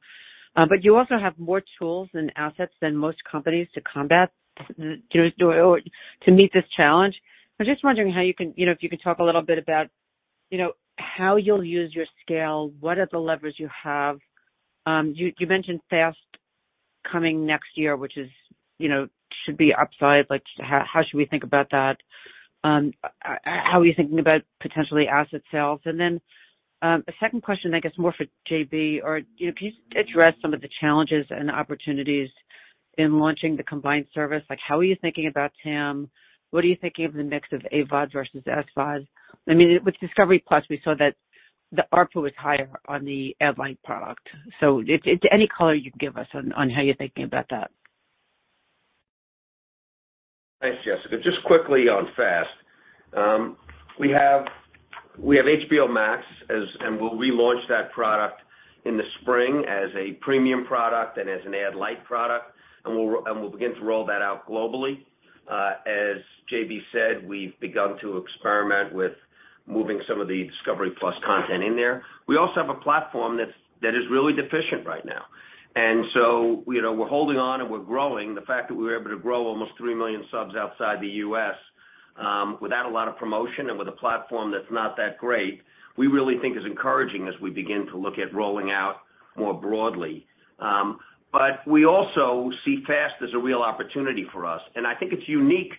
You also have more tools and assets than most companies to combat or to meet this challenge. I'm just wondering how you can, you know, if you could talk a little bit about, you know, how you'll use your scale, what are the levers you have? You mentioned FAST coming next year, which is, you know, should be upside. Like how should we think about that? How are you thinking about potentially asset sales? Then, a second question I guess more for JB, or, you know, can you address some of the challenges and opportunities in launching the combined service? Like, how are you thinking about TAM? What are you thinking of the mix of AVOD versus SVOD? I mean, with Discovery+, we saw that the ARPU was higher on the ad-lite product. It's any color you can give us on how you're thinking about that. Thanks, Jessica. Just quickly on FAST. We have HBO Max and we'll relaunch that product in the spring as a premium product and as an Ad-Lite product, and we'll begin to roll that out globally. As JB said, we've begun to experiment with moving some of the Discovery+ content in there. We also have a platform that's really deficient right now, you know, we're holding on, and we're growing. The fact that we were able to grow almost three million subs outside the U.S., without a lot of promotion and with a platform that's not that great, we really think is encouraging as we begin to look at rolling out more broadly. We also see FAST as a real opportunity for us, and I think it's unique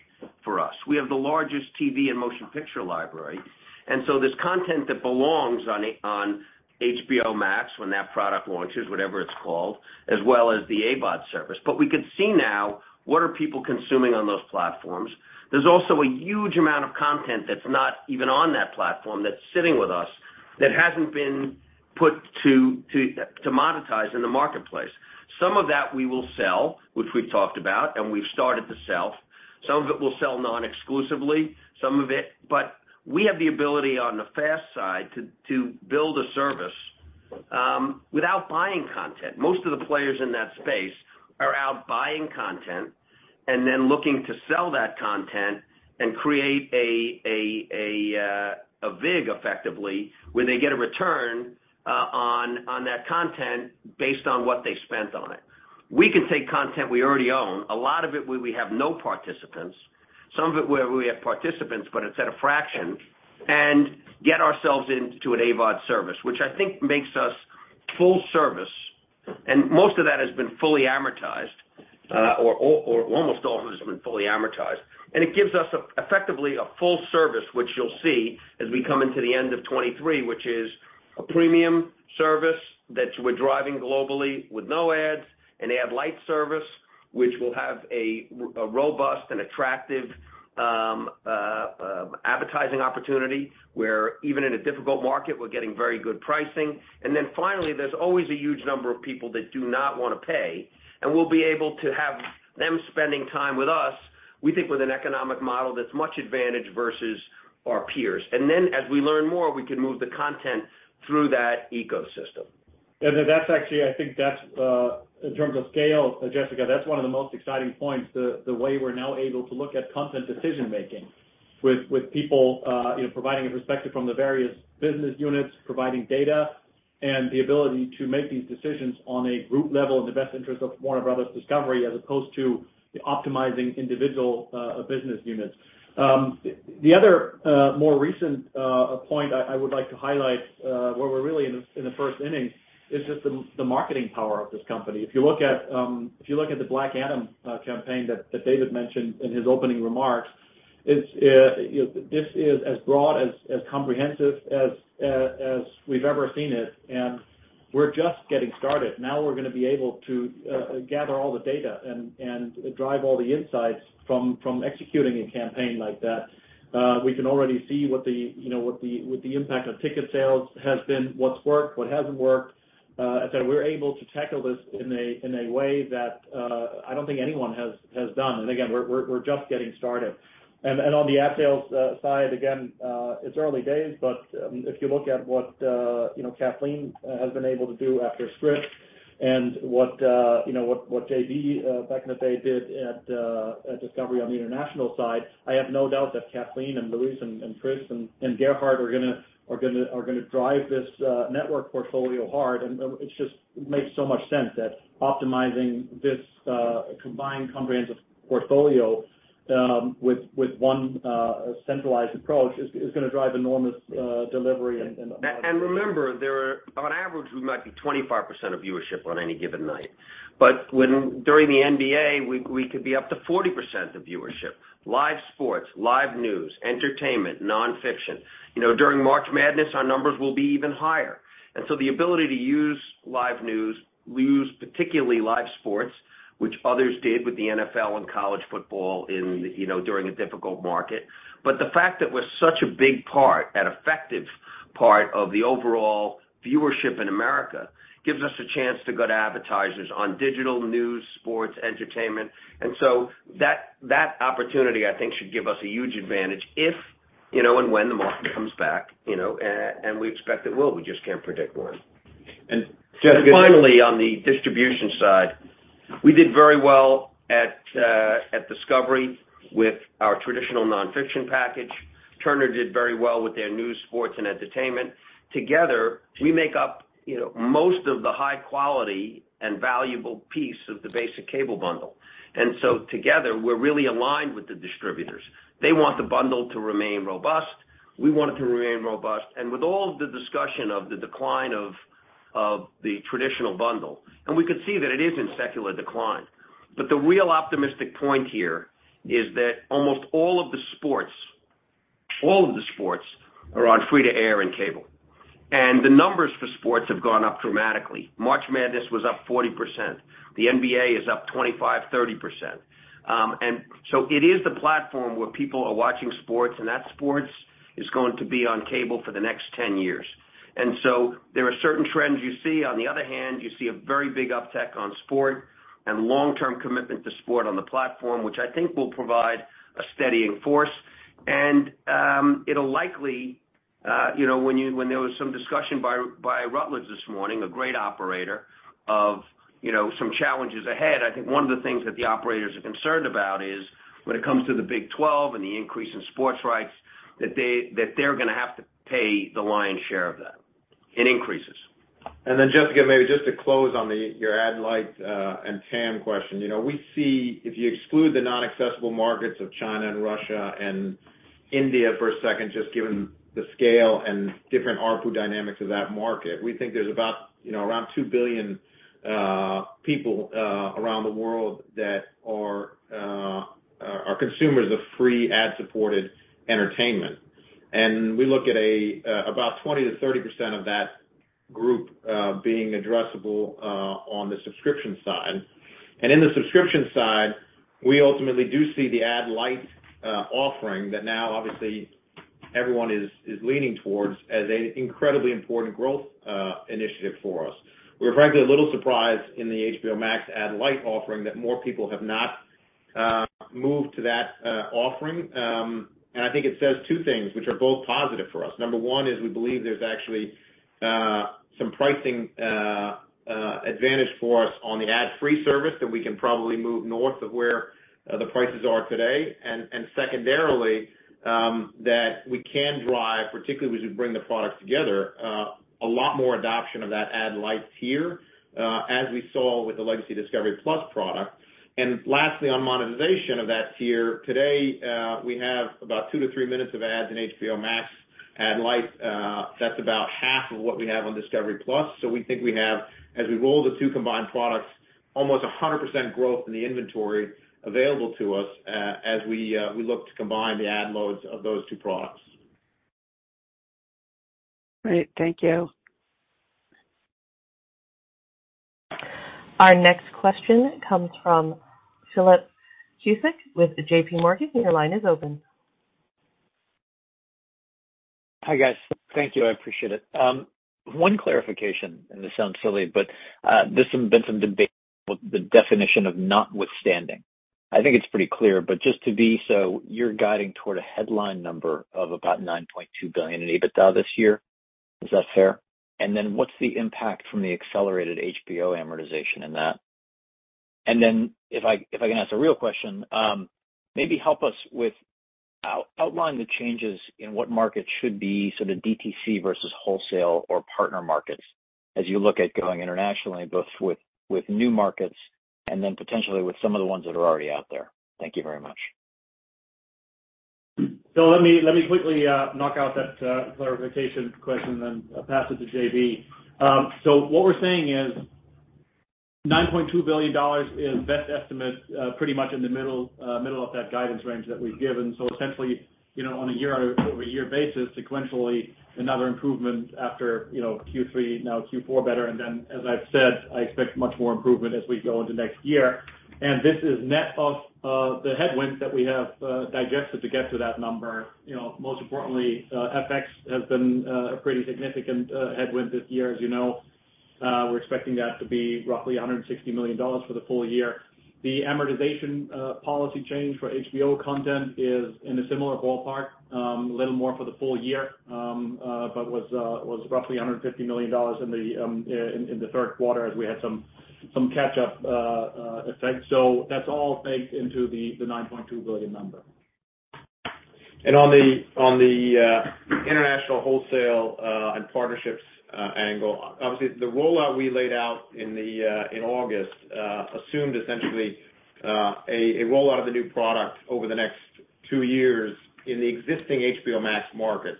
for us. We have the largest TV and motion picture library, and so this content that belongs on HBO Max when that product launches, whatever it's called, as well as the AVOD service. We can see now what are people consuming on those platforms. There's also a huge amount of content that's not even on that platform that's sitting with us, that hasn't been put to monetize in the marketplace. Some of that we will sell, which we've talked about, and we've started to sell. Some of it we'll sell non-exclusively. Some of it. We have the ability on the FAST side to build a service without buying content. Most of the players in that space are out buying content and then looking to sell that content and create a vig effectively, where they get a return on that content based on what they spent on it. We can take content we already own, a lot of it where we have no participants, some of it where we have participants, but it's at a fraction, and get ourselves into an AVOD service, which I think makes us full service, and most of that has been fully amortized, or almost all of it has been fully amortized. It gives us effectively a full service, which you'll see as we come into the end of 2023, which is a premium service that we're driving globally with no ads, an Ad-Lite service, which will have a robust and attractive advertising opportunity, where even in a difficult market, we're getting very good pricing. Finally, there's always a huge number of people that do not wanna pay, and we'll be able to have them spending time with us, we think with an economic model that's much advantage versus our peers. As we learn more, we can move the content through that ecosystem. That's actually, I think, in terms of scale, Jessica, that's one of the most exciting points. The way we're now able to look at content decision making with people, you know, providing a perspective from the various business units, providing data. The ability to make these decisions on a group level in the best interest of Warner Bros. Discovery, as opposed to optimizing individual business units. The other more recent point I would like to highlight, where we're really in the first inning is just the marketing power of this company. If you look at the Black Adam campaign that David mentioned in his opening remarks, it's you know, this is as broad, as comprehensive as we've ever seen it, and we're just getting started. Now we're gonna be able to gather all the data and drive all the insights from executing a campaign like that. We can already see what the impact of ticket sales has been, you know, what's worked, what hasn't worked, that we're able to tackle this in a way that I don't think anyone has done. Again, we're just getting started. On the ad sales side, again, it's early days, but if you look at what, you know, Kathleen has been able to do after Scripps and what, you know, what JB back in the day did at Discovery on the international side, I have no doubt that Kathleen and Luis and Chris and Gerhard are gonna drive this network portfolio hard. It just makes so much sense that optimizing this combined comprehensive portfolio with one centralized approach is gonna drive enormous delivery. Remember, there are. On average, we might be 25% of viewership on any given night. When during the NBA, we could be up to 40% of viewership. Live sports, live news, entertainment, nonfiction. You know, during March Madness, our numbers will be even higher. The ability to use live news, use particularly live sports, which others did with the NFL and college football in, you know, during a difficult market. The fact that we're such a big part, an effective part of the overall viewership in America gives us a chance to go to advertisers on digital news, sports, entertainment. That opportunity I think should give us a huge advantage if, you know, and when the market comes back, you know, and we expect it will, we just can't predict when. Jessica Finally, on the distribution side, we did very well at Discovery with our traditional nonfiction package. Turner did very well with their news, sports, and entertainment. Together, we make up, you know, most of the high-quality and valuable piece of the basic cable bundle. Together, we're really aligned with the distributors. They want the bundle to remain robust. We want it to remain robust. With all of the discussion of the decline of the traditional bundle, we could see that it is in secular decline. The real optimistic point here is that almost all of the sports are on free-to-air and cable. The numbers for sports have gone up dramatically. March Madness was up 40%. The NBA is up 25%-30%. It is the platform where people are watching sports, and that sports is going to be on cable for the next 10 years. There are certain trends you see. On the other hand, you see a very big uptick in sports and long-term commitment to sports on the platform, which I think will provide a steadying force. It'll likely, you know, when there was some discussion by Rutledge this morning, a great operator of, you know, some challenges ahead. I think one of the things that the operators are concerned about is when it comes to the Big 12 and the increase in sports rights, that they're gonna have to pay the lion's share of that in increases. Jessica, maybe just to close on your Ad-Lite and TAM question. You know, we see if you exclude the non-accessible markets of China and Russia and India for a second, just given the scale and different ARPU dynamics of that market, we think there's about, you know, around two billion people around the world that are consumers of free ad-supported entertainment. We look at about 20%-30% of that group being addressable on the subscription side. In the subscription side, we ultimately do see the Ad-Lite offering that now obviously everyone is leaning towards as an incredibly important growth initiative for us. We're frankly a little surprised in the HBO Max Ad-Lite offering that more people have not moved to that offering. I think it says two things, which are both positive for us. Number one is we believe there's actually some pricing advantage for us on the ad-free service that we can probably move north of where the prices are today. And secondarily, that we can drive, particularly as we bring the products together, a lot more adoption of that Ad-Lite tier, as we saw with the legacy Discovery+ product. Lastly, on monetization of that tier, today, we have about two to three minutes of ads in HBO Max Ad-Lite. That's about half of what we have on Discovery+. We think we have, as we roll the two combined products, almost 100% growth in the inventory available to us as we look to combine the ad loads of those two products. Great. Thank you. Our next question comes from Philip Cusick with JPMorgan. Your line is open. Hi, guys. Thank you. I appreciate it. One clarification, and this sounds silly, but there's been some debate the definition of notwithstanding. I think it's pretty clear, but just to be sure, you're guiding toward a headline number of about $9.2 billion in EBITDA this year. Is that fair? What's the impact from the accelerated HBO amortization in that? If I can ask a real question, maybe help us outline the changes in what markets should be sort of DTC versus wholesale or partner markets as you look at going internationally, both with new markets and then potentially with some of the ones that are already out there. Thank you very much. Let me quickly knock out that clarification question, then pass it to JB. What we're saying is $9.2 billion is best estimate, pretty much in the middle of that guidance range that we've given. Essentially, you know, on a year-over-year basis, sequentially another improvement after, you know, Q3, now Q4 better. Then, as I've said, I expect much more improvement as we go into next year. This is net of the headwinds that we have digested to get to that number. You know, most importantly, FX has been a pretty significant headwind this year, as you know. We're expecting that to be roughly $160 million for the full year. The amortization policy change for HBO content is in a similar ballpark, a little more for the full year, but was roughly $150 million in the third quarter as we had some catch-up effect. That's all baked into the $9.2 billion number. And partnerships angle, obviously the rollout we laid out in August assumed essentially a rollout of the new product over the next two years in the existing HBO Max markets,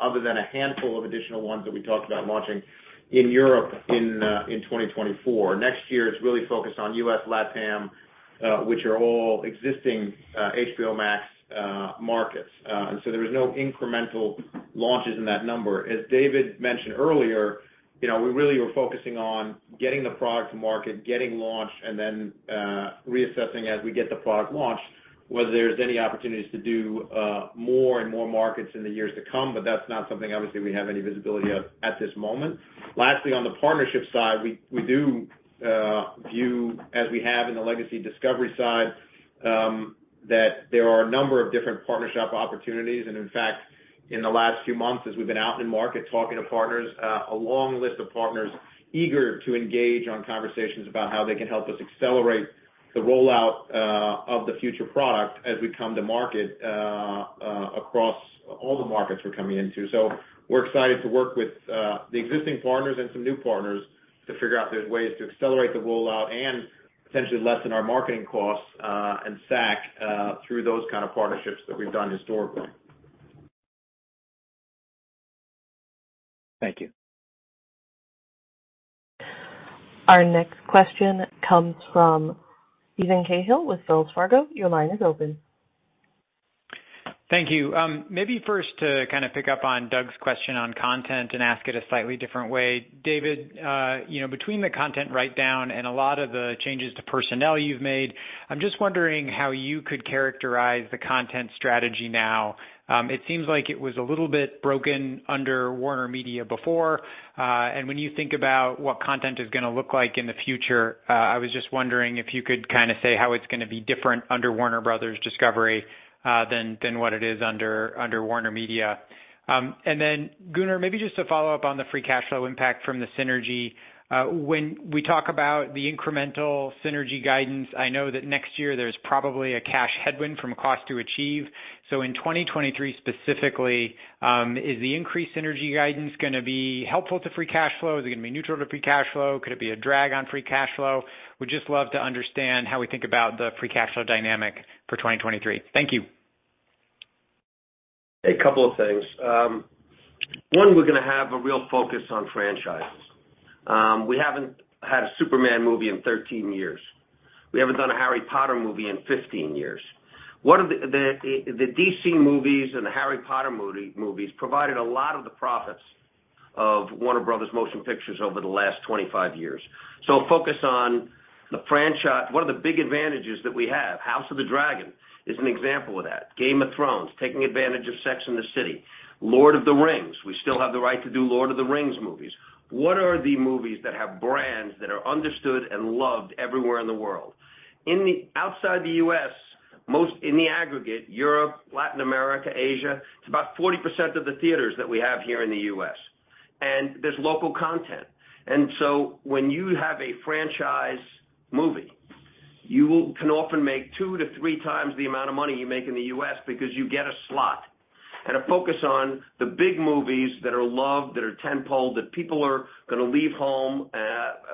other than a handful of additional ones that we talked about launching in Europe in 2024. Next year it's really focused on U.S. LatAm, which are all existing HBO Max markets. There was no incremental launches in that number. As David mentioned earlier, you know, we really were focusing on getting the product to market, getting launched, and then reassessing as we get the product launched, whether there's any opportunities to do more and more markets in the years to come. That's not something obviously we have any visibility of at this moment. Lastly, on the partnership side, we do view as we have in the legacy Discovery side that there are a number of different partnership opportunities. In fact, in the last few months as we've been out in market talking to partners, a long list of partners eager to engage on conversations about how they can help us accelerate the rollout of the future product as we come to market across all the markets we're coming into. We're excited to work with the existing partners and some new partners to figure out if there's ways to accelerate the rollout and potentially lessen our marketing costs and stack through those kind of partnerships that we've done historically. Thank you. Our next question comes from Steven Cahall with Wells Fargo. Your line is open. Thank you. Maybe first to kind of pick up on Doug's question on content and ask it a slightly different way. David, you know, between the content write down and a lot of the changes to personnel you've made, I'm just wondering how you could characterize the content strategy now. It seems like it was a little bit broken under WarnerMedia before. When you think about what content is gonna look like in the future, I was just wondering if you could kind of say how it's gonna be different under Warner Bros. Discovery than what it is under WarnerMedia. Gunnar, maybe just to follow up on the free cash flow impact from the synergy. When we talk about the incremental synergy guidance, I know that next year there's probably a cash headwind from cost to achieve. In 2023 specifically, is the increased synergy guidance gonna be helpful to free cash flow? Is it gonna be neutral to free cash flow? Could it be a drag on free cash flow? Would just love to understand how we think about the free cash flow dynamic for 2023. Thank you. A couple of things. One, we're gonna have a real focus on franchises. We haven't had a Superman movie in 13 years. We haven't done a Harry Potter movie in 15 years. One of the DC movies and the Harry Potter movies provided a lot of the profits of Warner Bros. motion pictures over the last 25 years. Focus on the franchise. One of the big advantages that we have, House of the Dragon, is an example of that. Game of Thrones, taking advantage of Sex and the City, Lord of the Rings. We still have the right to do Lord of the Rings movies. What are the movies that have brands that are understood and loved everywhere in the world? Outside the U.S., most in the aggregate, Europe, Latin America, Asia, it's about 40% of the theaters that we have here in the U.S., and there's local content. When you have a franchise movie, you can often make 2x-3x the amount of money you make in the U.S. because you get a slot. A focus on the big movies that are loved, that are tentpole, that people are gonna leave home,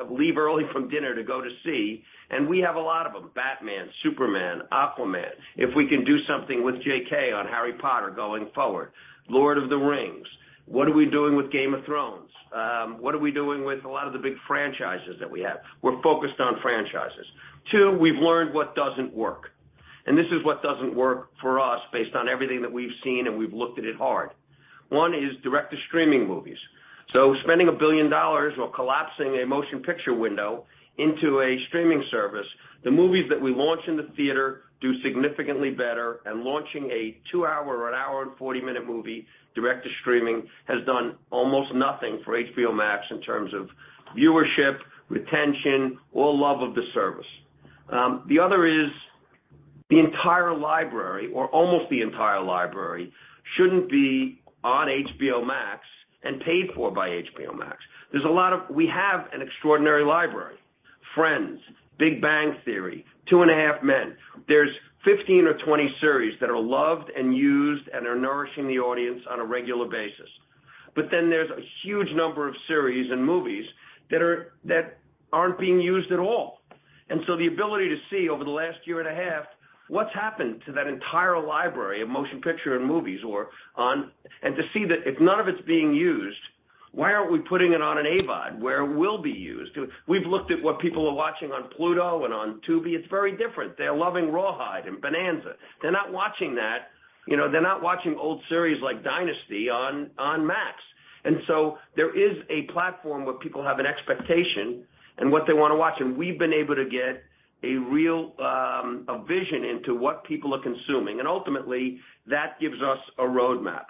leave early from dinner to go to see, and we have a lot of them. Batman, Superman, Aquaman. If we can do something with J.K. on Harry Potter going forward. Lord of the Rings. What are we doing with Game of Thrones? What are we doing with a lot of the big franchises that we have? We're focused on franchises. Two, we've learned what doesn't work, and this is what doesn't work for us based on everything that we've seen, and we've looked at it hard. One is direct-to-streaming movies. Spending $1 billion or collapsing a motion picture window into a streaming service. The movies that we launch in the theater do significantly better, and launching a two-hour or an hour and 40-minute movie direct to streaming has done almost nothing for HBO Max in terms of viewership, retention, or love of the service. The other is the entire library or almost the entire library shouldn't be on HBO Max and paid for by HBO Max. There's a lot of. We have an extraordinary library, Friends, The Big Bang Theory, Two and a Half Men. There's 15 or 20 series that are loved and used and are nourishing the audience on a regular basis. There's a huge number of series and movies that aren't being used at all. The ability to see over the last year and a half what's happened to that entire library of motion pictures and movies. To see that if none of it's being used, why aren't we putting it on an AVOD where it will be used? We've looked at what people are watching on Pluto and on Tubi. It's very different. They're loving Rawhide and Bonanza. They're not watching that. You know, they're not watching old series like Dynasty on Max. There is a platform where people have an expectation in what they wanna watch, and we've been able to get a real, a vision into what people are consuming. Ultimately, that gives us a roadmap.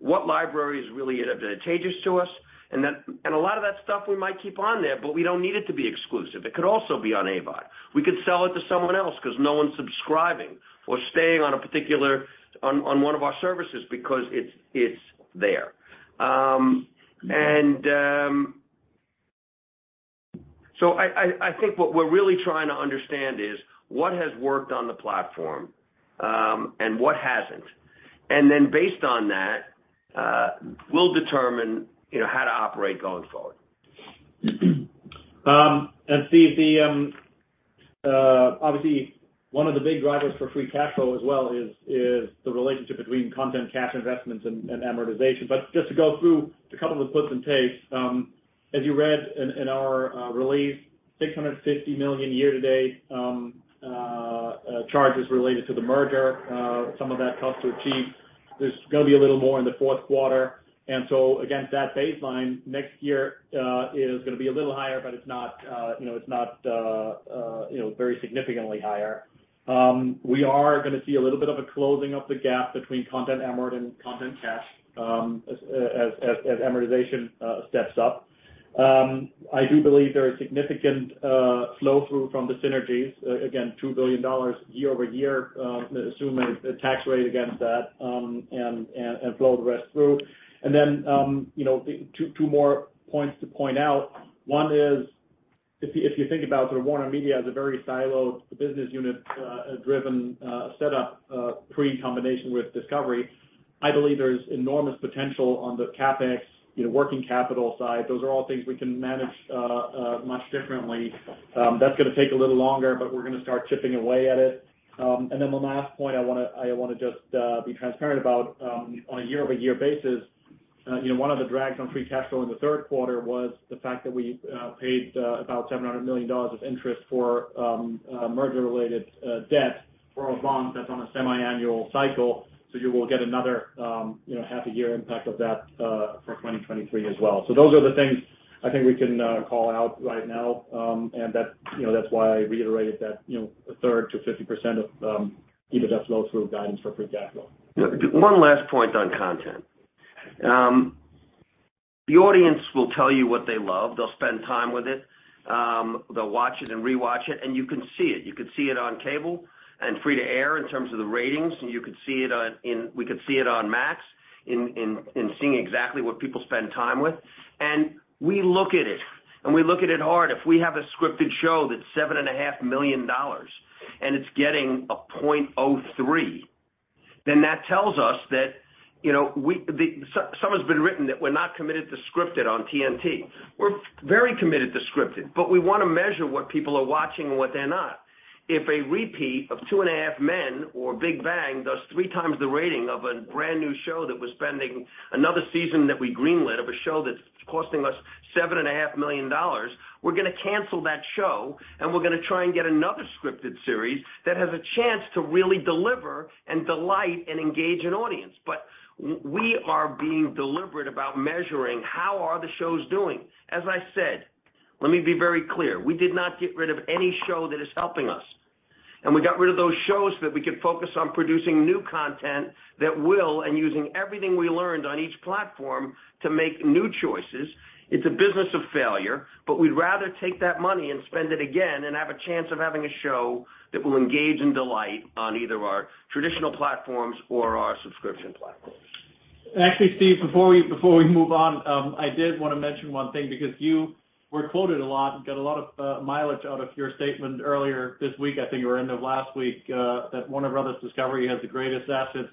What library is really advantageous to us? A lot of that stuff we might keep on there, but we don't need it to be exclusive. It could also be on AVOD. We could sell it to someone else because no one's subscribing or staying on a particular one of our services because it's there. I think what we're really trying to understand is what has worked on the platform, and what hasn't. Based on that, we'll determine, you know, how to operate going forward. Steven, obviously, one of the big drivers for free cash flow as well is the relationship between content cash investments and amortization. Just to go through a couple of the puts and takes, as you read in our release, $650 million year to date charges related to the merger, some of that cost to achieve. There's gonna be a little more in the fourth quarter. Again, that baseline next year is gonna be a little higher, but it's not, you know, very significantly higher. We are gonna see a little bit of a closing of the gap between content amort and content cash, as amortization steps up. I do believe there are significant flow-through from the synergies, again, $2 billion year-over-year, assuming the tax rate against that, and flow the rest through. Then, you know, two more points to point out. One is if you think about sort of WarnerMedia as a very siloed business unit driven setup pre-combination with Discovery, I believe there's enormous potential on the CapEx, you know, working capital side. Those are all things we can manage much differently. That's gonna take a little longer, but we're gonna start chipping away at it. Then the last point I want to just be transparent about, on a year-over-year basis, you know, one of the drags on free cash flow in the third quarter was the fact that we paid about $700 million of interest for merger-related debt for a bond that's on a semiannual cycle. You will get another, you know, half a year impact of that for 2023 as well. Those are the things I think we can call out right now. That's, you know, that's why I reiterated that, you know, a third to 50% of EBITDA flow-through guidance for free cash flow. One last point on content. The audience will tell you what they love. They'll spend time with it. They'll watch it and rewatch it, and you can see it. You could see it on cable and free-to-air in terms of the ratings. We could see it on Max in seeing exactly what people spend time with. We look at it, and we look at it hard. If we have a scripted show that's seven and a half million dollars and it's getting a .03, then that tells us that, you know, some has been written that we're not committed to scripted on TNT. We're very committed to scripted, but we wanna measure what people are watching and what they're not. If a repeat of Two and a Half Men or Big Bang does three times the rating of a brand-new show that we're spending another season that we greenlit of a show that's costing us $7.5 million, we're gonna cancel that show, and we're gonna try and get another scripted series that has a chance to really deliver and delight and engage an audience. We are being deliberate about measuring how are the shows doing. As I said, let me be very clear. We did not get rid of any show that is helping us. We got rid of those shows so that we could focus on producing new content that will and using everything we learned on each platform to make new choices. It's a business of failure, but we'd rather take that money and spend it again and have a chance of having a show that will engage and delight on either our traditional platforms or our subscription platforms. Actually, Steve, before we move on, I did wanna mention one thing because you were quoted a lot and got a lot of mileage out of your statement earlier this week, I think it were end of last week, that Warner Bros. Discovery has the greatest assets,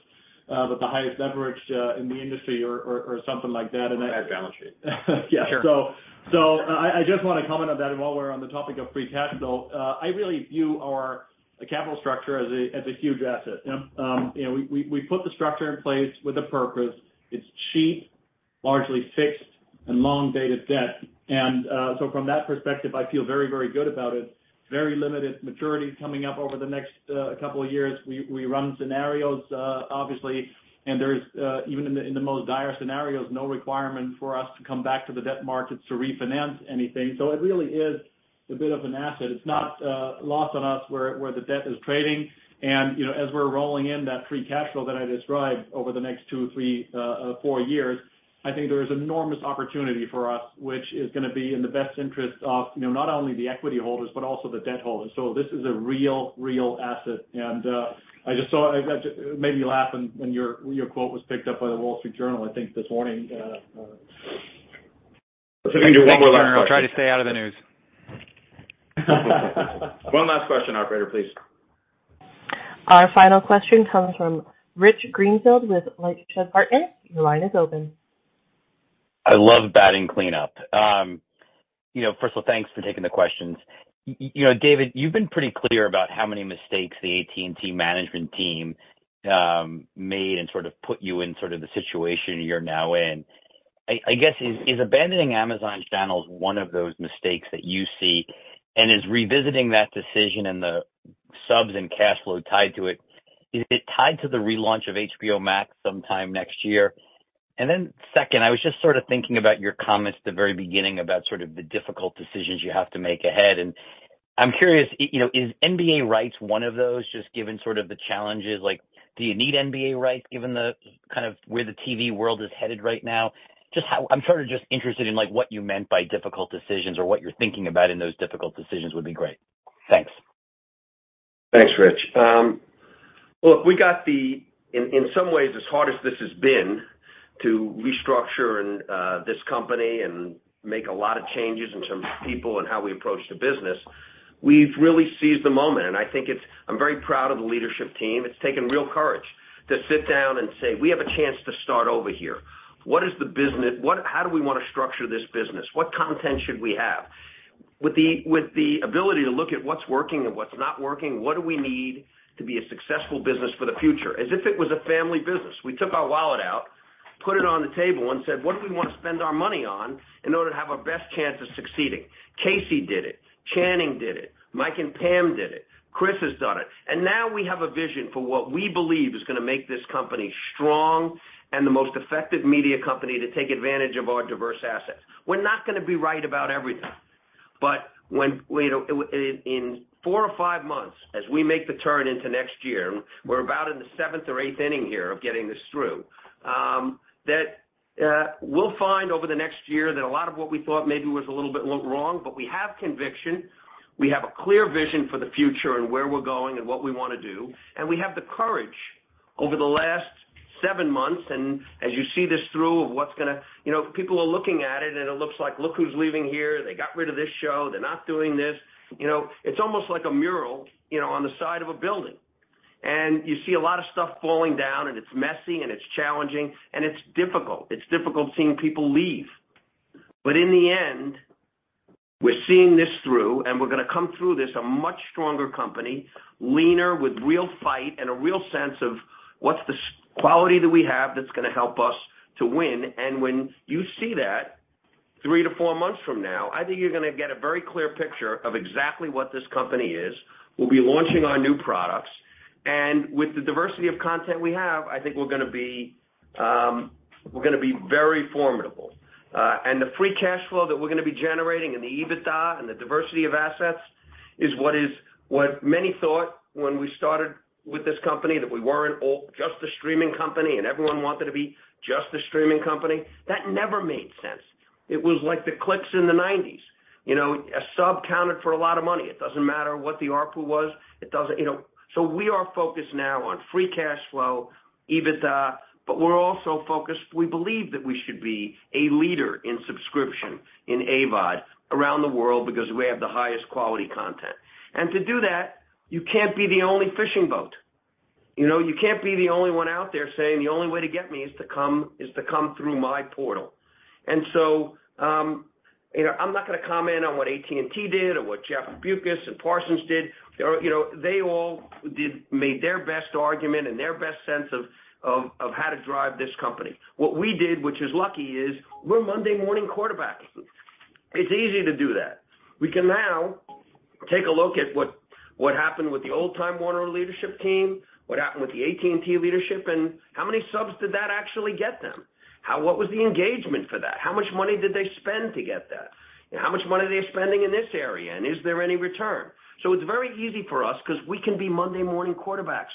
but the highest leverage, in the industry or something like that. That- Bad balance sheet. Yeah. Sure. I just wanna comment on that. While we're on the topic of free cash flow, I really view our capital structure as a huge asset. You know, we put the structure in place with a purpose. It's cheap, largely fixed and long-dated debt. From that perspective, I feel very good about it. Very limited maturity coming up over the next couple of years. We run scenarios, obviously, and there's even in the most dire scenarios, no requirement for us to come back to the debt markets to refinance anything. It really is A bit of an asset. It's not lost on us where the debt is trading. You know, as we're rolling in that free cash flow that I described over the next two, three, four years, I think there is enormous opportunity for us, which is gonna be in the best interest of, you know, not only the equity holders but also the debt holders. This is a real asset. I just saw it. It made me laugh when your quote was picked up by The Wall Street Journal, I think, this morning. Thank you, I'll try to stay out of the news. One last question, operator, please. Our final question comes from Rich Greenfield with LightShed Partners. Your line is open. I love batting cleanup. You know, first of all, thanks for taking the questions. You know, David, you've been pretty clear about how many mistakes the AT&T management team made and sort of put you in sort of the situation you're now in. I guess, is abandoning Amazon's channels one of those mistakes that you see? Is revisiting that decision and the subs and cash flow tied to it tied to the relaunch of HBO Max sometime next year? Second, I was just sort of thinking about your comments at the very beginning about sort of the difficult decisions you have to make ahead. I'm curious, you know, is NBA rights one of those, just given sort of the challenges? Like, do you need NBA rights given the kind of where the TV world is headed right now? Just how... I'm sort of just interested in, like, what you meant by difficult decisions or what you're thinking about in those difficult decisions would be great. Thanks. Thanks, Rich. Look, in some ways, as hard as this has been to restructure this company and make a lot of changes in terms of people and how we approach the business, we've really seized the moment, and I think I'm very proud of the leadership team. It's taken real courage to sit down and say, "We have a chance to start over here. What is the business? How do we wanna structure this business? What content should we have? With the ability to look at what's working and what's not working, what do we need to be a successful business for the future?" As if it was a family business. We took our wallet out, put it on the table and said, "What do we wanna spend our money on in order to have our best chance of succeeding?" Casey did it, Channing did it, Mike and Pam did it, Chris has done it. Now we have a vision for what we believe is gonna make this company strong and the most effective media company to take advantage of our diverse assets. We're not gonna be right about everything, but when, you know, in four or five months, as we make the turn into next year, we're about in the seventh or eighth inning here of getting this through, we'll find over the next year that a lot of what we thought maybe was a little bit wrong, but we have conviction, we have a clear vision for the future and where we're going and what we wanna do, and we have the courage over the last seven months and as you see this through of what's gonna, you know. People are looking at it and it looks like, "Look who's leaving here. They got rid of this show. They're not doing this." You know, it's almost like a mural, you know, on the side of a building. You see a lot of stuff falling down, and it's messy, and it's challenging, and it's difficult. It's difficult seeing people leave. In the end, we're seeing this through, and we're gonna come through this a much stronger company, leaner with real fight and a real sense of what's the quality that we have that's gonna help us to win. When you see that three to four months from now, I think you're gonna get a very clear picture of exactly what this company is. We'll be launching our new products. With the diversity of content we have, I think we're gonna be very formidable. The free cash flow that we're gonna be generating and the EBITDA and the diversity of assets is what many thought when we started with this company, that we weren't all just a streaming company, and everyone wanted to be just a streaming company. That never made sense. It was like the clicks in the 1990s. You know, a sub counted for a lot of money. It doesn't matter what the ARPU was. You know? We are focused now on free cash flow, EBITDA, but we're also focused. We believe that we should be a leader in subscription in AVOD around the world because we have the highest quality content. To do that, you can't be the only fishing boat. You know? You can't be the only one out there saying, "The only way to get me is to come through my portal." You know, I'm not gonna comment on what AT&T did or what Jeff Bewkes and Parsons did. You know, they made their best argument and their best sense of how to drive this company. What we did, which is lucky, is we're Monday morning quarterbacks. It's easy to do that. We can now take a look at what happened with the old Time Warner leadership team, what happened with the AT&T leadership, and how many subs did that actually get them? What was the engagement for that? How much money did they spend to get that? How much money are they spending in this area, and is there any return? It's very easy for us 'cause we can be Monday morning quarterbacks,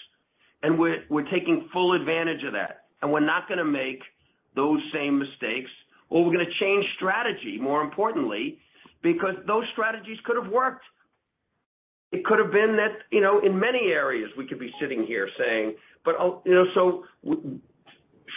and we're taking full advantage of that. We're not gonna make those same mistakes, or we're gonna change strategy, more importantly, because those strategies could have worked. It could have been that, you know, in many areas we could be sitting here saying, but, you know.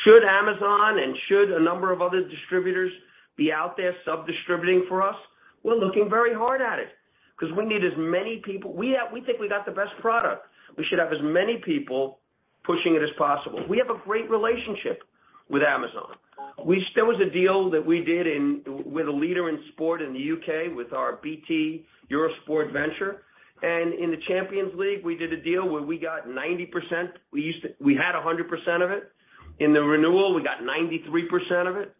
Should Amazon and should a number of other distributors be out there sub-distributing for us? We're looking very hard at it 'cause we need as many people. We think we got the best product. We should have as many people pushing it as possible. We have a great relationship with Amazon. There was a deal that we did in, with a leader in sport in the U.K. with our BT Eurosport venture. In the Champions League, we did a deal where we got 90%. We used to have 100% of it. In the renewal, we got 93% of it,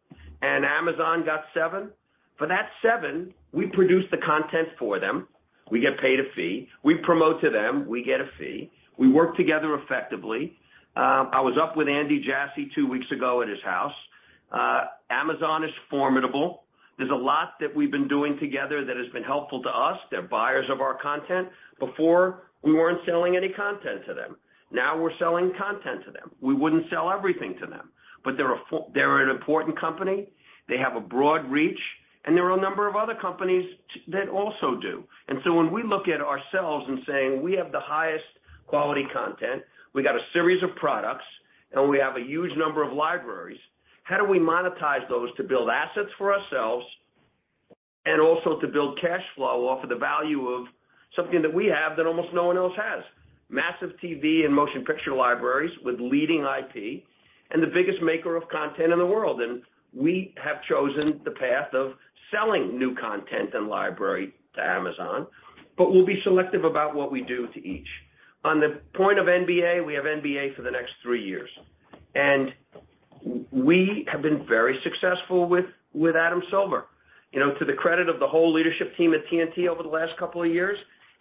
and Amazon got 7%. For that 7%, we produce the content for them. We get paid a fee. We promote to them. We get a fee. We work together effectively. I was up with Andy Jassy two weeks ago at his house. Amazon is formidable. There's a lot that we've been doing together that has been helpful to us. They're buyers of our content. Before, we weren't selling any content to them. Now we're selling content to them. We wouldn't sell everything to them, but they're an important company. They have a broad reach, and there are a number of other companies that also do. When we look at ourselves and saying, we have the highest quality content, we got a series of products, and we have a huge number of libraries, how do we monetize those to build assets for ourselves and also to build cash flow off of the value of something that we have that almost no one else has? Massive TV and motion picture libraries with leading IP and the biggest maker of content in the world. We have chosen the path of selling new content and library to Amazon, but we'll be selective about what we do to each. On the point of NBA, we have NBA for the next three years, and we have been very successful with Adam Silver. You know, to the credit of the whole leadership team at TNT over the last couple of years,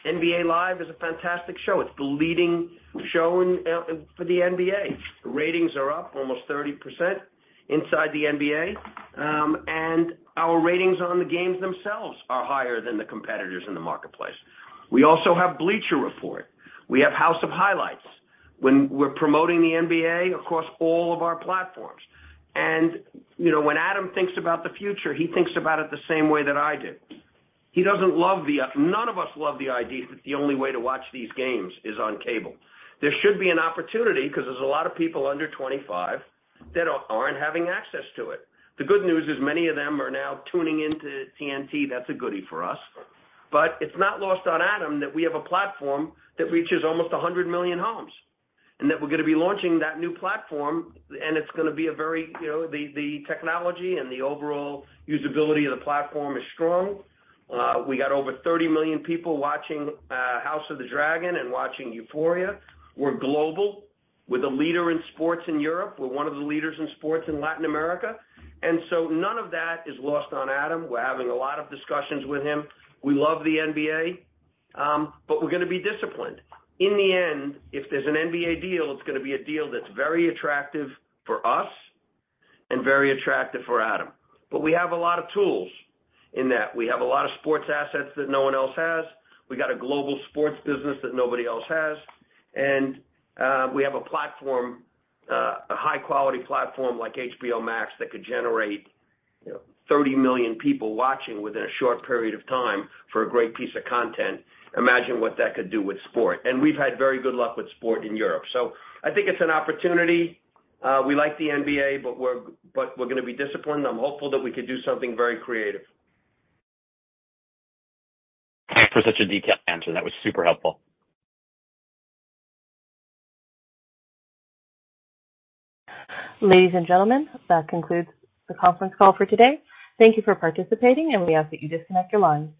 Inside the NBA is a fantastic show. It's the leading show in for the NBA. Ratings are up almost 30% inside the NBA, and our ratings on the games themselves are higher than the competitors in the marketplace. We also have Bleacher Report. We have House of Highlights. We're promoting the NBA across all of our platforms. You know, when Adam thinks about the future, he thinks about it the same way that I do. None of us love the idea that the only way to watch these games is on cable. There should be an opportunity because there's a lot of people under 25 that aren't having access to it. The good news is many of them are now tuning into TNT. That's a goodie for us. It's not lost on Adam that we have a platform that reaches almost 100 million homes, and that we're gonna be launching that new platform, and it's gonna be you know the technology and the overall usability of the platform is strong. We got over 30 million people watching House of the Dragon and watching Euphoria. We're global. We're the leader in sports in Europe. We're one of the leaders in sports in Latin America. None of that is lost on Adam. We're having a lot of discussions with him. We love the NBA, but we're gonna be disciplined. In the end, if there's an NBA deal, it's gonna be a deal that's very attractive for us and very attractive for Adam. We have a lot of tools in that. We have a lot of sports assets that no one else has. We got a global sports business that nobody else has. We have a platform, a high-quality platform like HBO Max that could generate, you know, 30 million people watching within a short period of time for a great piece of content. Imagine what that could do with sport. We've had very good luck with sport in Europe. I think it's an opportunity. We like the NBA, but we're gonna be disciplined. I'm hopeful that we could do something very creative. Thanks for such a detailed answer. That was super helpful. Ladies and gentlemen, that concludes the conference call for today. Thank you for participating, and we ask that you disconnect your lines.